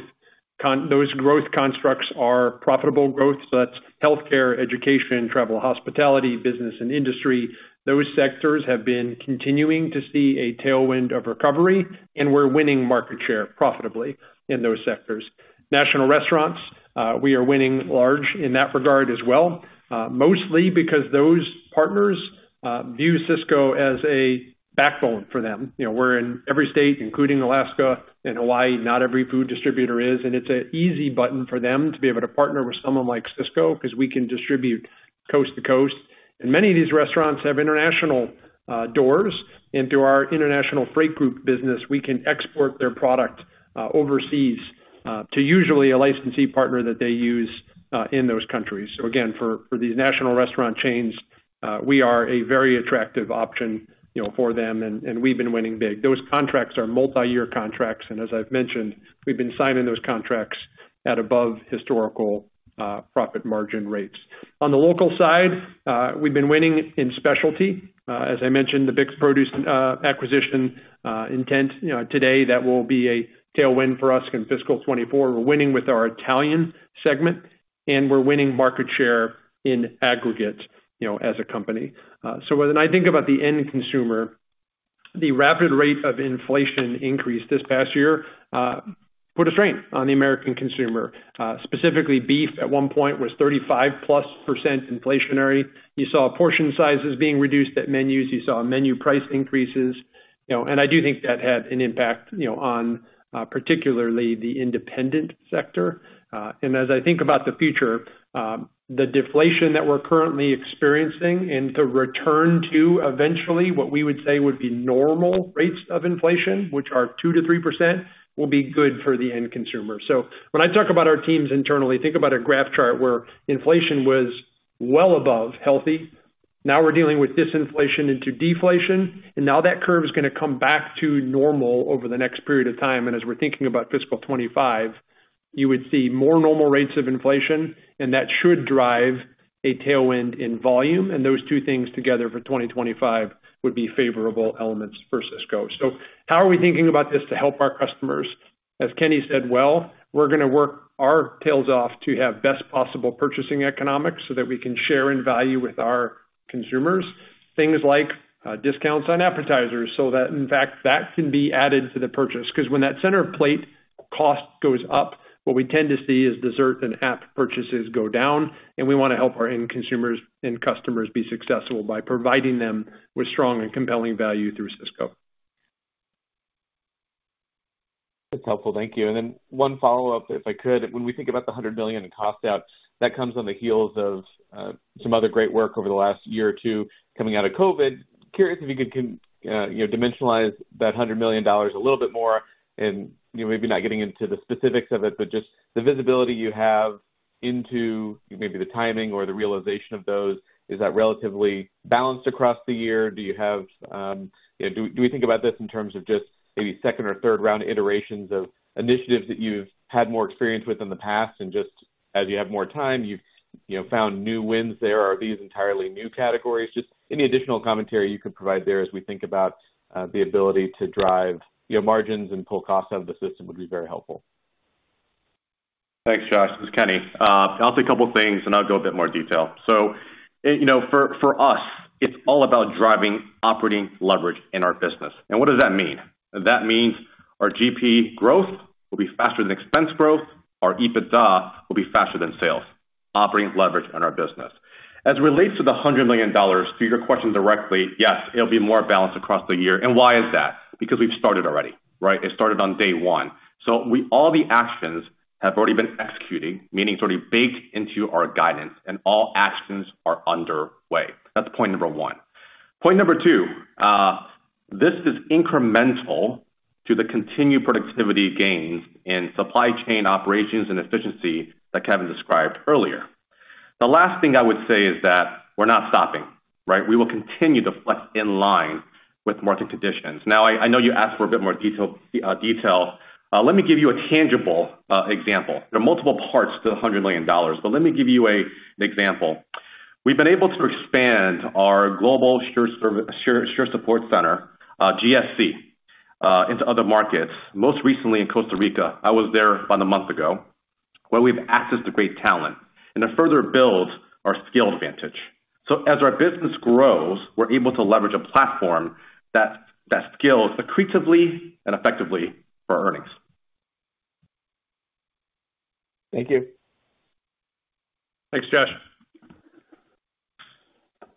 constructs are profitable growth. That's healthcare, education, travel, hospitality, business, and industry. Those sectors have been continuing to see a tailwind of recovery, and we're winning market share profitably in those sectors. National restaurants, we are winning large in that regard as well, mostly because those partners, view Sysco as a backbone for them. You know, we're in every state, including Alaska and Hawaii. Not every food distributor is, and it's an easy button for them to be able to partner with someone like Sysco, because we can distribute coast to coast. Many of these restaurants have international doors, and through our international freight group business, we can export their product, overseas, to usually a licensee partner that they use, in those countries. Again, for these national restaurant chains, we are a very attractive option, you know, for them, and, and we've been winning big. Those contracts are multi-year contracts, and as I've mentioned, we've been signing those contracts at above historical, profit margin rates. On the local side, we've been winning in specialty. As I mentioned, the BIX Produce acquisition, intent, you know, today, that will be a tailwind for us in FY 2024. We're winning with our Italian segment, and we're winning market share in aggregate, you know, as a company. When I think about the end consumer, the rapid rate of inflation increase this past year, put a strain on the American consumer. Specifically beef, at one point, was 35%+ inflationary. You saw portion sizes being reduced at menus. You saw menu price increases, you know, I do think that had an impact, you know, on particularly the independent sector. As I think about the future, the deflation that we're currently experiencing, and the return to, eventually, what we would say would be normal rates of inflation, which are 2%-3%, will be good for the end consumer. When I talk about our teams internally, think about a graph chart where inflation was well above healthy. Now we're dealing with disinflation into deflation, and now that curve is gonna come back to normal over the next period of time. As we're thinking about fiscal 2025, you would see more normal rates of inflation, and that should drive a tailwind in volume. Those two things together for 2025 would be favorable elements for Sysco. How are we thinking about this to help our customers? As Kenny said, "Well, we're gonna work our tails off to have best possible purchasing economics so that we can share in value with our consumers." Things like discounts on appetizers, so that, in fact, that can be added to the purchase. Because when that center plate cost goes up, what we tend to see is dessert and app purchases go down, and we wanna help our end consumers and customers be successful by providing them with strong and compelling value through Sysco. That's helpful. Thank you. Then one follow-up, if I could. When we think about the $100 million in cost out, that comes on the heels of some other great work over the last year or two, coming out of COVID. Curious if you could, you know, dimensionalize that $100 million a little bit more and, you know, maybe not getting into the specifics of it, but just the visibility you have into maybe the timing or the realization of those. Is that relatively balanced across the year? Do you have, you know, do, do we think about this in terms of just maybe second or third round iterations of initiatives that you've had more experience with in the past, and just as you have more time, you've, you know, found new wins there? Are these entirely new categories? Just any additional commentary you could provide there as we think about the ability to drive, you know, margins and pull costs out of the system, would be very helpful. Thanks, Joshua Long. This is Kenny Cheung. I'll say a couple of things, and I'll go a bit more detail. You know, for, for us, it's all about driving operating leverage in our business. What does that mean? That means our GP growth will be faster than expense growth. Our EBITDA will be faster than sales. Operating leverage in our business. As it relates to the $100 million, to your question directly, yes, it'll be more balanced across the year. Why is that? Because we've started already, right? It started on day one. All the actions have already been executing, meaning it's already baked into our guidance, and all actions are underway. That's point number one. Point number two, this is incremental to the continued productivity gains in supply chain operations and efficiency that Kevin Hourican described earlier. The last thing I would say is that we're not stopping, right? We will continue to flex in line with market conditions. I know you asked for a bit more detail, detail. Let me give you a tangible example. There are multiple parts to the $100 million, but let me give you an example. We've been able to expand our Global Support Center, GSC, into other markets, most recently in Costa Rica, I was there about one month ago, where we have access to great talent and to further build our scale advantage. As our business grows, we're able to leverage a platform that, that scales accretively and effectively for earnings. Thank you. Thanks, Josh.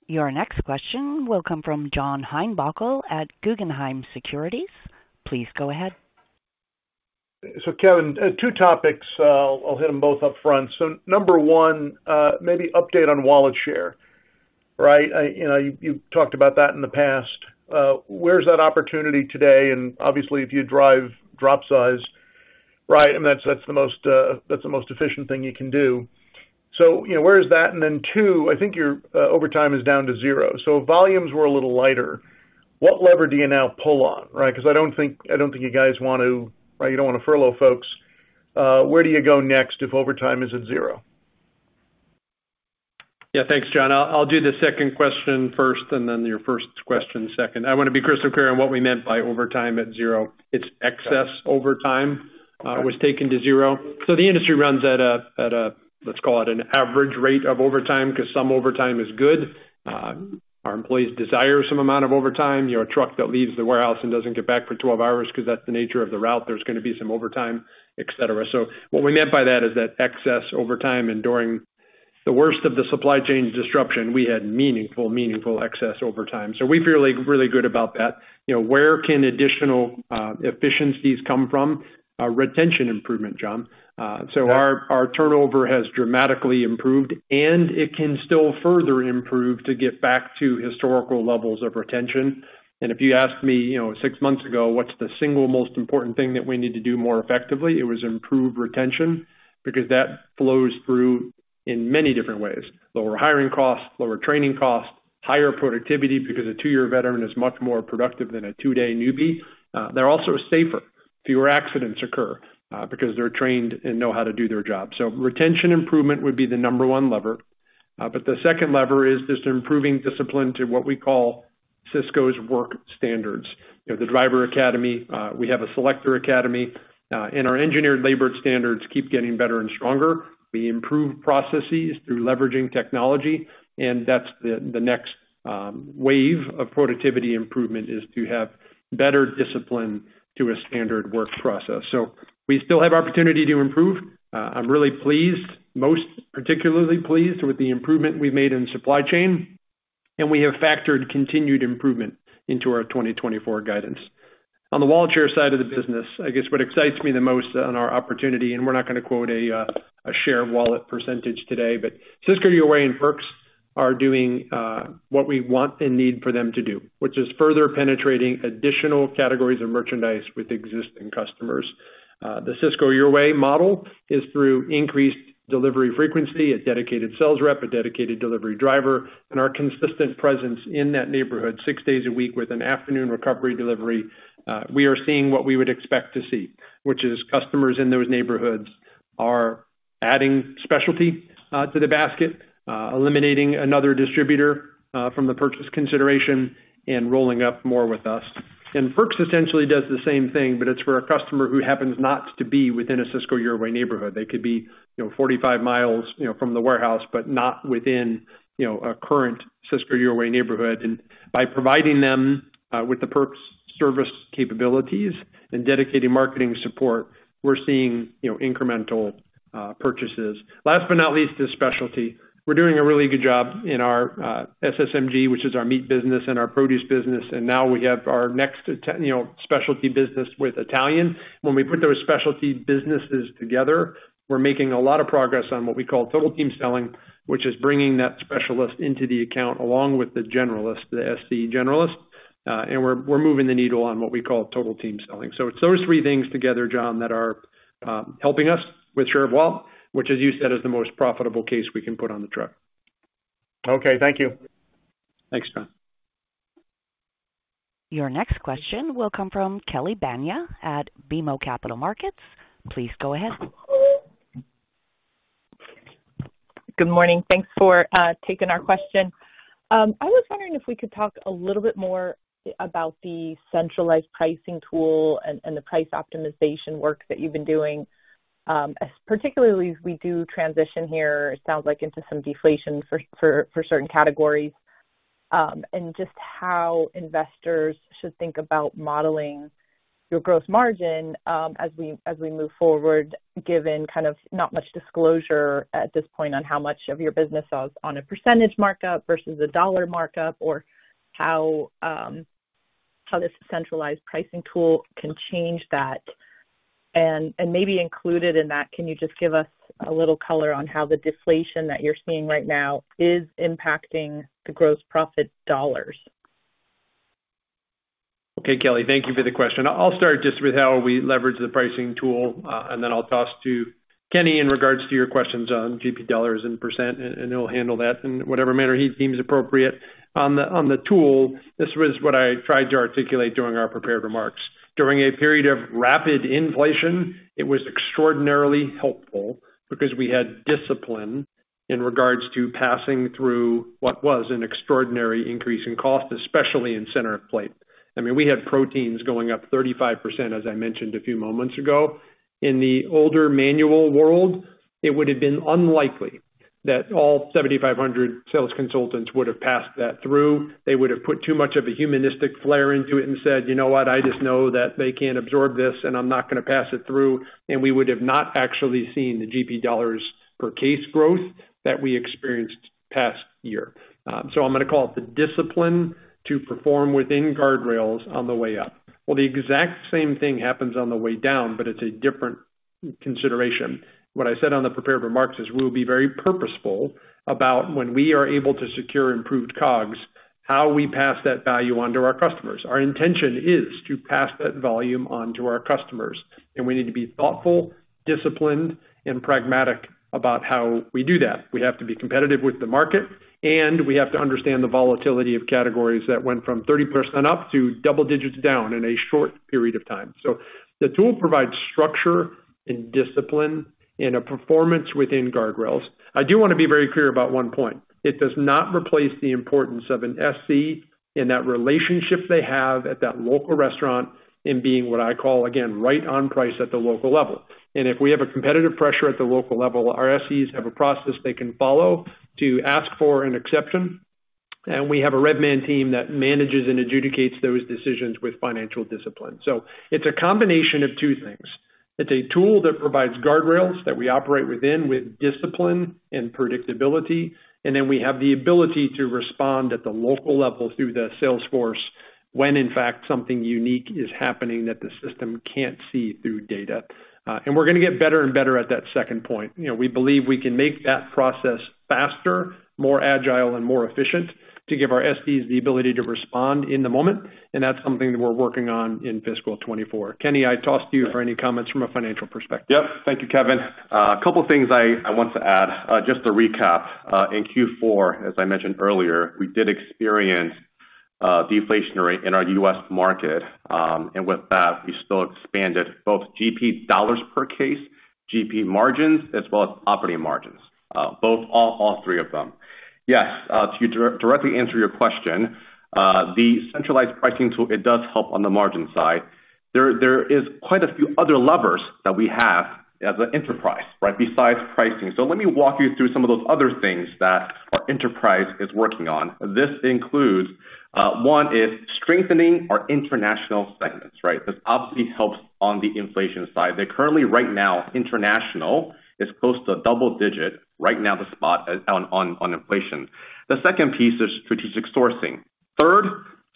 Your next question will come from John Heinbockel at Guggenheim Securities. Please go ahead. Kevin, 2 topics. I'll hit them both up front. 1, maybe update on wallet share, right? You know, you, you talked about that in the past. Where's that opportunity today? Obviously, if you drive drop size, right, and that's, that's the most, that's the most efficient thing you can do. You know, where is that? Then 2, I think your overtime is down to zero. Volumes were a little lighter. What lever do you now pull on, right? Because I don't think, I don't think you guys want to, right, you don't wanna furlough folks. Where do you go next if overtime is at zero? Yeah. Thanks, John. I'll, I'll do the second question first, and then your first question second. I wanna be crystal clear on what we meant by overtime at zero. It's excess overtime was taken to zero. The industry runs at a, let's call it, an average rate of overtime, because some overtime is good. Our employees desire some amount of overtime. You know, a truck that leaves the warehouse and doesn't get back for 12 hours because that's the nature of the route, there's gonna be some overtime, et cetera. What we meant by that is that excess overtime and during- ... the worst of the supply chain disruption, we had meaningful, meaningful excess over time. We feel really, really good about that. You know, where can additional efficiencies come from? Retention improvement, John. Our, our turnover has dramatically improved, and it can still further improve to get back to historical levels of retention. If you asked me, you know, six months ago, what's the single most important thing that we need to do more effectively, it was improve retention, because that flows through in many different ways. Lower hiring costs, lower training costs, higher productivity, because a two-year veteran is much more productive than a two-day newbie. They're also safer. Fewer accidents occur because they're trained and know how to do their job. Retention improvement would be the number one lever. The second lever is just improving discipline to what we call Sysco's work standards. You know, the Driver Academy, we have a Selector Academy, and our Engineered Labor Standards keep getting better and stronger. We improve processes through leveraging technology, that's the, the next wave of productivity improvement, is to have better discipline to a standard work process. We still have opportunity to improve. I'm really pleased, most particularly pleased, with the improvement we've made in supply chain, we have factored continued improvement into our 2024 guidance. On the wallet share side of the business, I guess what excites me the most on our opportunity, and we're not gonna quote a share of wallet percentage today, but Sysco Your Way and Perks are doing what we want and need for them to do, which is further penetrating additional categories of merchandise with existing customers. The Sysco Your Way model is through increased delivery frequency, a dedicated sales rep, a dedicated delivery driver, and our consistent presence in that neighborhood, six days a week with an afternoon recovery delivery. We are seeing what we would expect to see, which is customers in those neighborhoods are adding specialty to the basket, eliminating another distributor from the purchase consideration and rolling up more with us. Perks essentially does the same thing, but it's for a customer who happens not to be within a Sysco Your Way neighborhood. They could be, you know, 45 mi, you know, from the warehouse, but not within, you know, a current Sysco Your Way neighborhood. By providing them with the Perks service capabilities and dedicated marketing support, we're seeing, you know, incremental purchases. Last but not least, is specialty. We're doing a really good job in our SSMG, which is our meat business and our produce business, and now we have our next you know, specialty business with Italian. When we put those specialty businesses together, we're making a lot of progress on what we call Total Team Selling, which is bringing that specialist into the account, along with the generalist, the SC generalist, and we're, we're moving the needle on what we call Total Team Selling. It's those three things together, John, that are helping us with share of wallet, which, as you said, is the most profitable case we can put on the truck. Okay, thank you. Thanks, John. Your next question will come from Kelly Bania at BMO Capital Markets. Please go ahead. Good morning. Thanks for taking our question. I was wondering if we could talk a little bit more about the centralized pricing tool and the price optimization work that you've been doing, as particularly as we do transition here, it sounds like into some deflation for certain categories. Just how investors should think about modeling your gross margin, as we move forward, given kind of not much disclosure at this point on how much of your business is on a percentage markup versus a dollar markup, or how this centralized pricing tool can change that. And maybe included in that, can you just give us a little color on how the deflation that you're seeing right now is impacting the gross profit dollars? Okay, Kelly, thank you for the question. I'll start just with how we leverage the pricing tool, and then I'll toss to Kenny in regards to your questions on GP dollars and %, and he'll handle that in whatever manner he deems appropriate. On the, on the tool, this was what I tried to articulate during our prepared remarks. During a period of rapid inflation, it was extraordinarily helpful because we had discipline in regards to passing through what was an extraordinary increase in cost, especially in Center of Plate. I mean, we had proteins going up 35%, as I mentioned a few moments ago. In the older manual world, it would have been unlikely that all 7,500 Sales Consultants would have passed that through. They would have put too much of a humanistic flair into it and said: "You know what? I just know that they can't absorb this, and I'm not gonna pass it through." We would have not actually seen the GP dollars per case growth that we experienced past year. I'm gonna call it the discipline to perform within guardrails on the way up. The exact same thing happens on the way down, but it's a different consideration. What I said on the prepared remarks is, we'll be very purposeful about when we are able to secure improved COGS, how we pass that value on to our customers. Our intention is to pass that volume on to our customers, and we need to be thoughtful, disciplined, and pragmatic about how we do that. We have to be competitive with the market, and we have to understand the volatility of categories that went from 30% up to double digits down in a short period of time. The tool provides structure and discipline and a performance within guardrails. I do want to be very clear about 1 point. It does not replace the importance of an SC and that relationship they have at that local restaurant in being, what I call again, right on price at the local level. If we have a competitive pressure at the local level, our SCs have a process they can follow to ask for an exception. We have a rev man team that manages and adjudicates those decisions with financial discipline. It's a combination of 2 things. It's a tool that provides guardrails that we operate within, with discipline and predictability, and then we have the ability to respond at the local level through the sales force, when in fact, something unique is happening that the system can't see through data. We're gonna get better and better at that second point. You know, we believe we can make that process faster, more agile, and more efficient to give our SDs the ability to respond in the moment, and that's something that we're working on in fiscal 2024. Kenny, I toss to you for any comments from a financial perspective. Yep. Thank you, Kevin. A couple of things I, I want to add. Just to recap, in Q4, as I mentioned earlier, we did experience deflationary in our U.S. market. With that, we still expanded both GP dollars per case, GP margins, as well as operating margins, both, all, all three of them. Yes, to directly answer your question, the centralized pricing tool, it does help on the margin side. There, there is quite a few other levers that we have as an enterprise, right, besides pricing. Let me walk you through some of those other things that our enterprise is working on. This includes, 1 is strengthening our international segments, right? This obviously helps on the inflation side. They're currently, right now, international, is close to double-digit right now, the spot on inflation. The second piece is strategic sourcing. Third,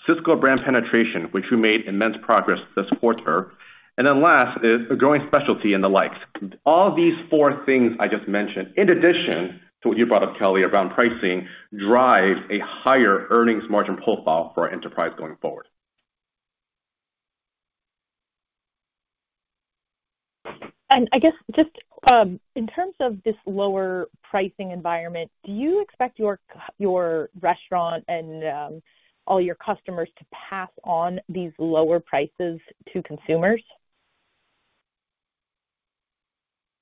Sysco Brand penetration, which we made immense progress this quarter. Then last is a growing specialty and the likes. All these 4 things I just mentioned, in addition to what you brought up, Kelly, around pricing, drive a higher earnings margin profile for our enterprise going forward. I guess, just, in terms of this lower pricing environment, do you expect your restaurant and all your customers to pass on these lower prices to consumers?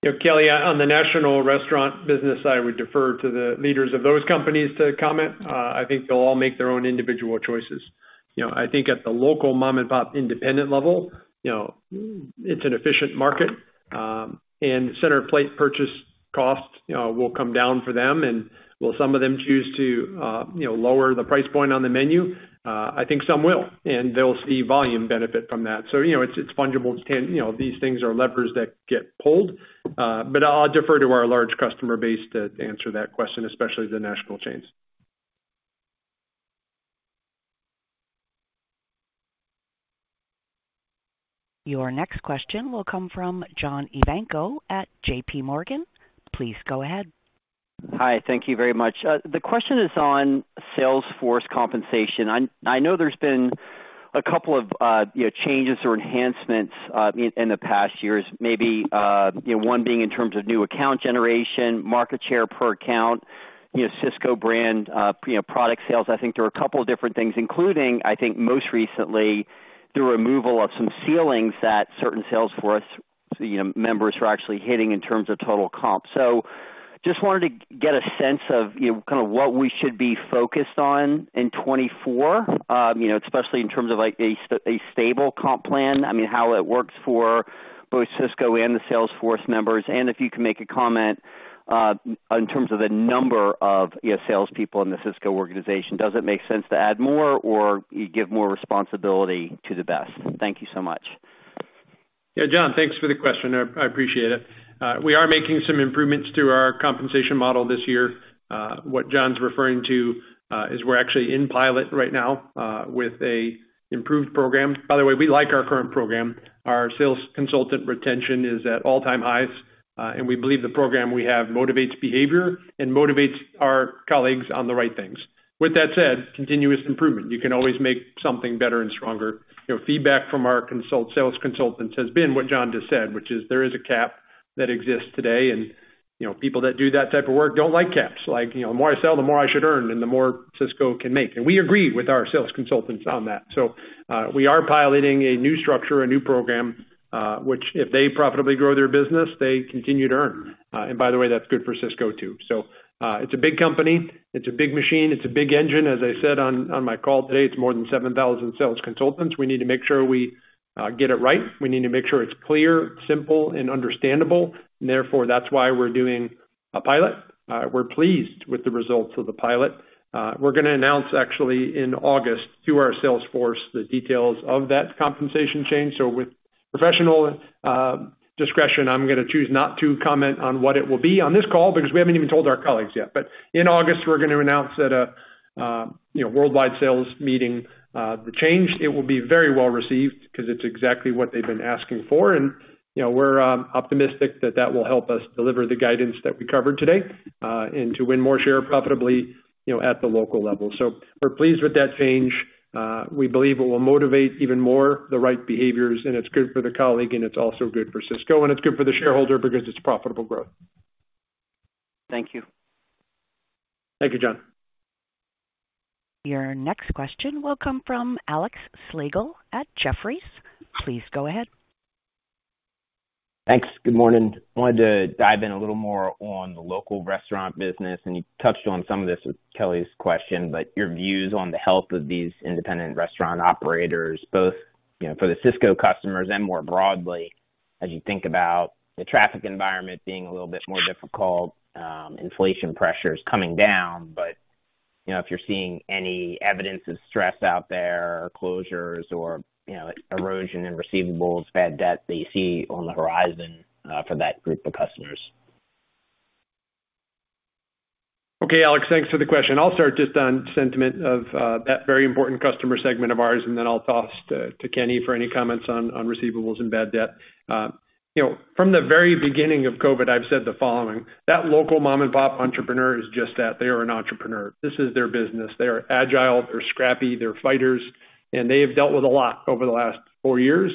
You know, Kelly, on the national restaurant business side, I would defer to the leaders of those companies to comment. I think they'll all make their own individual choices. You know, I think at the local mom-and-pop independent level, you know, it's an efficient market, and center plate purchase costs will come down for them. Will some of them choose to, you know, lower the price point on the menu? I think some will, and they'll see volume benefit from that. You know, it's, it's fungible. You know, these things are levers that get pulled, but I'll defer to our large customer base to answer that question, especially the national chains. Your next question will come from John Ivankoe at J.P. Morgan. Please go ahead. Hi, thank you very much. The question is on sales force compensation. I, I know there's been a couple of, you know, changes or enhancements, in, in the past years, maybe, you know, one being in terms of new account generation, market share per account, you know, Sysco Brand, you know, product sales. I think there are a couple of different things, including, I think most recently, the removal of some ceilings that certain sales force, you know, members are actually hitting in terms of total comp. Just wanted to get a sense of, you know, kind of what we should be focused on in 2024, you know, especially in terms of, like, a stable comp plan. I mean, how it works for both Sysco and the sales force members, and if you can make a comment, in terms of the number of salespeople in the Sysco organization. Does it make sense to add more or give more responsibility to the best? Thank you so much. Yeah, John, thanks for the question. I, I appreciate it. We are making some improvements to our compensation model this year. What John's referring to, is we're actually in pilot right now, with a improved program. By the way, we like our current program. Our Sales Consultant retention is at all-time highs, and we believe the program we have motivates behavior and motivates our colleagues on the right things. With that said, continuous improvement, you know, you can always make something better and stronger. You know, feedback from our Sales Consultants has been what John just said, which is there is a cap that exists today, and, you know, people that do that type of work don't like caps. Like, you know, more I sell, the more I should earn and the more Sysco can make. We agree with our Sales Consultants on that. we are piloting a new structure, a new program, which if they profitably grow their business, they continue to earn. by the way, that's good for Sysco, too. it's a big company, it's a big machine, it's a big engine. As I said on, on my call today, it's more than 7,000 Sales Consultants. We need to make sure we get it right. We need to make sure it's clear, simple, and understandable. Therefore, that's why we're doing a pilot. we're pleased with the results of the pilot. we're gonna announce actually in August to our sales force, the details of that compensation change. with professional discretion, I'm gonna choose not to comment on what it will be on this call because we haven't even told our colleagues yet. In August, we're gonna announce at a, you know, worldwide sales meeting, the change. It will be very well received because it's exactly what they've been asking for and, you know, we're optimistic that that will help us deliver the guidance that we covered today, and to win more share profitably, you know, at the local level. We're pleased with that change. We believe it will motivate even more the right behaviors, and it's good for the colleague, and it's also good for Sysco, and it's good for the shareholder because it's profitable growth. Thank you. Thank you, John. Your next question will come from Alex Slagle at Jefferies. Please go ahead. Thanks. Good morning. I wanted to dive in a little more on the local restaurant business, and you touched on some of this with Kelly's question, but your views on the health of these independent restaurant operators, both, you know, for the Sysco customers and more broadly?... as you think about the traffic environment being a little bit more difficult, inflation pressures coming down, but, you know, if you're seeing any evidence of stress out there or closures or, you know, erosion in receivables, bad debt that you see on the horizon, for that group of customers? Okay, Alex, thanks for the question. I'll start just on sentiment of that very important customer segment of ours, and then I'll toss to Kenny for any comments on receivables and bad debt. You know, from the very beginning of COVID, I've said the following: that local mom-and-pop entrepreneur is just that. They are an entrepreneur. This is their business. They are agile, they're scrappy, they're fighters, and they have dealt with a lot over the last four years.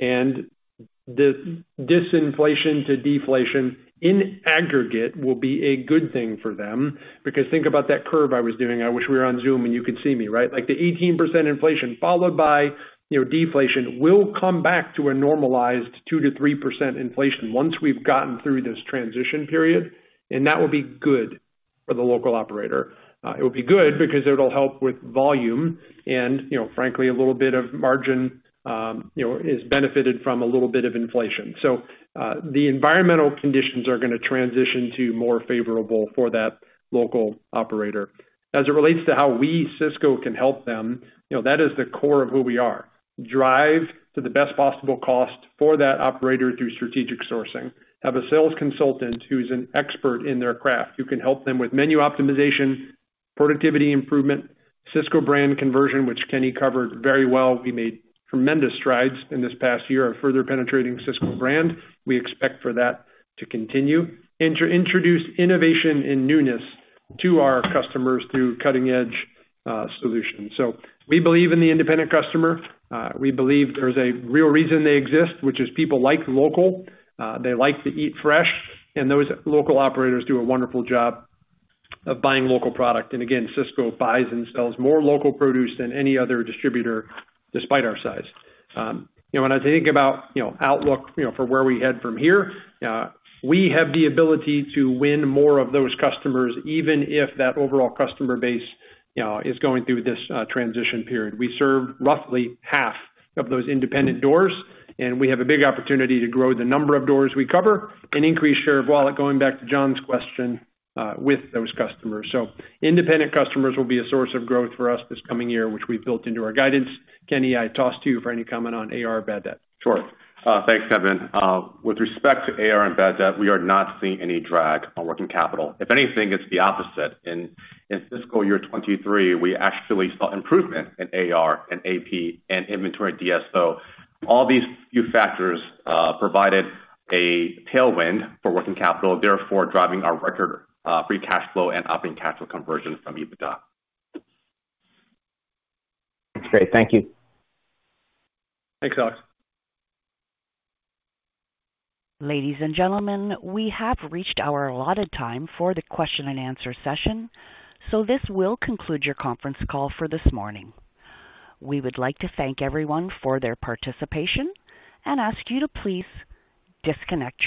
The disinflation to deflation, in aggregate, will be a good thing for them. Think about that curve I was doing. I wish we were on Zoom, and you could see me, right? Like, the 18% inflation followed by, you know, deflation will come back to a normalized 2%-3% inflation once we've gotten through this transition period. That will be good for the local operator. It will be good because it'll help with volume and, you know, frankly, a little bit of margin, you know, is benefited from a little bit of inflation. The environmental conditions are gonna transition to more favorable for that local operator. As it relates to how we, Sysco, can help them, you know, that is the core of who we are. Drive to the best possible cost for that operator through strategic sourcing. Have a Sales Consultant who's an expert in their craft, who can help them with menu optimization, productivity improvement, Sysco Brand conversion, which Kenny covered very well. We made tremendous strides in this past year of further penetrating Sysco Brand. We expect for that to continue, to introduce innovation and newness to our customers through cutting-edge solutions. We believe in the independent customer. We believe there's a real reason they exist, which is people like local, they like to eat fresh, those local operators do a wonderful job of buying local product. Again, Sysco buys and sells more local produce than any other distributor, despite our size. You know, when I think about, you know, outlook, you know, for where we head from here, we have the ability to win more of those customers, even if that overall customer base, you know, is going through this transition period. We serve roughly half of those independent doors, and we have a big opportunity to grow the number of doors we cover and increase share of wallet, going back to John's question, with those customers. So independent customers will be a source of growth for us this coming year, which we've built into our guidance. Kenny, I toss to you for any comment on AR bad debt. Sure. Thanks, Kevin. With respect to AR and bad debt, we are not seeing any drag on working capital. If anything, it's the opposite. In fiscal year 2023, we actually saw improvement in AR and AP and inventory DSO. All these few factors provided a tailwind for working capital, therefore, driving our record free cash flow and operating cash flow conversion from EBITDA. That's great. Thank you. Thanks, Alex. Ladies and gentlemen, we have reached our allotted time for the question-and-answer session. This will conclude your conference call for this morning. We would like to thank everyone for their participation and ask you to please disconnect your lines.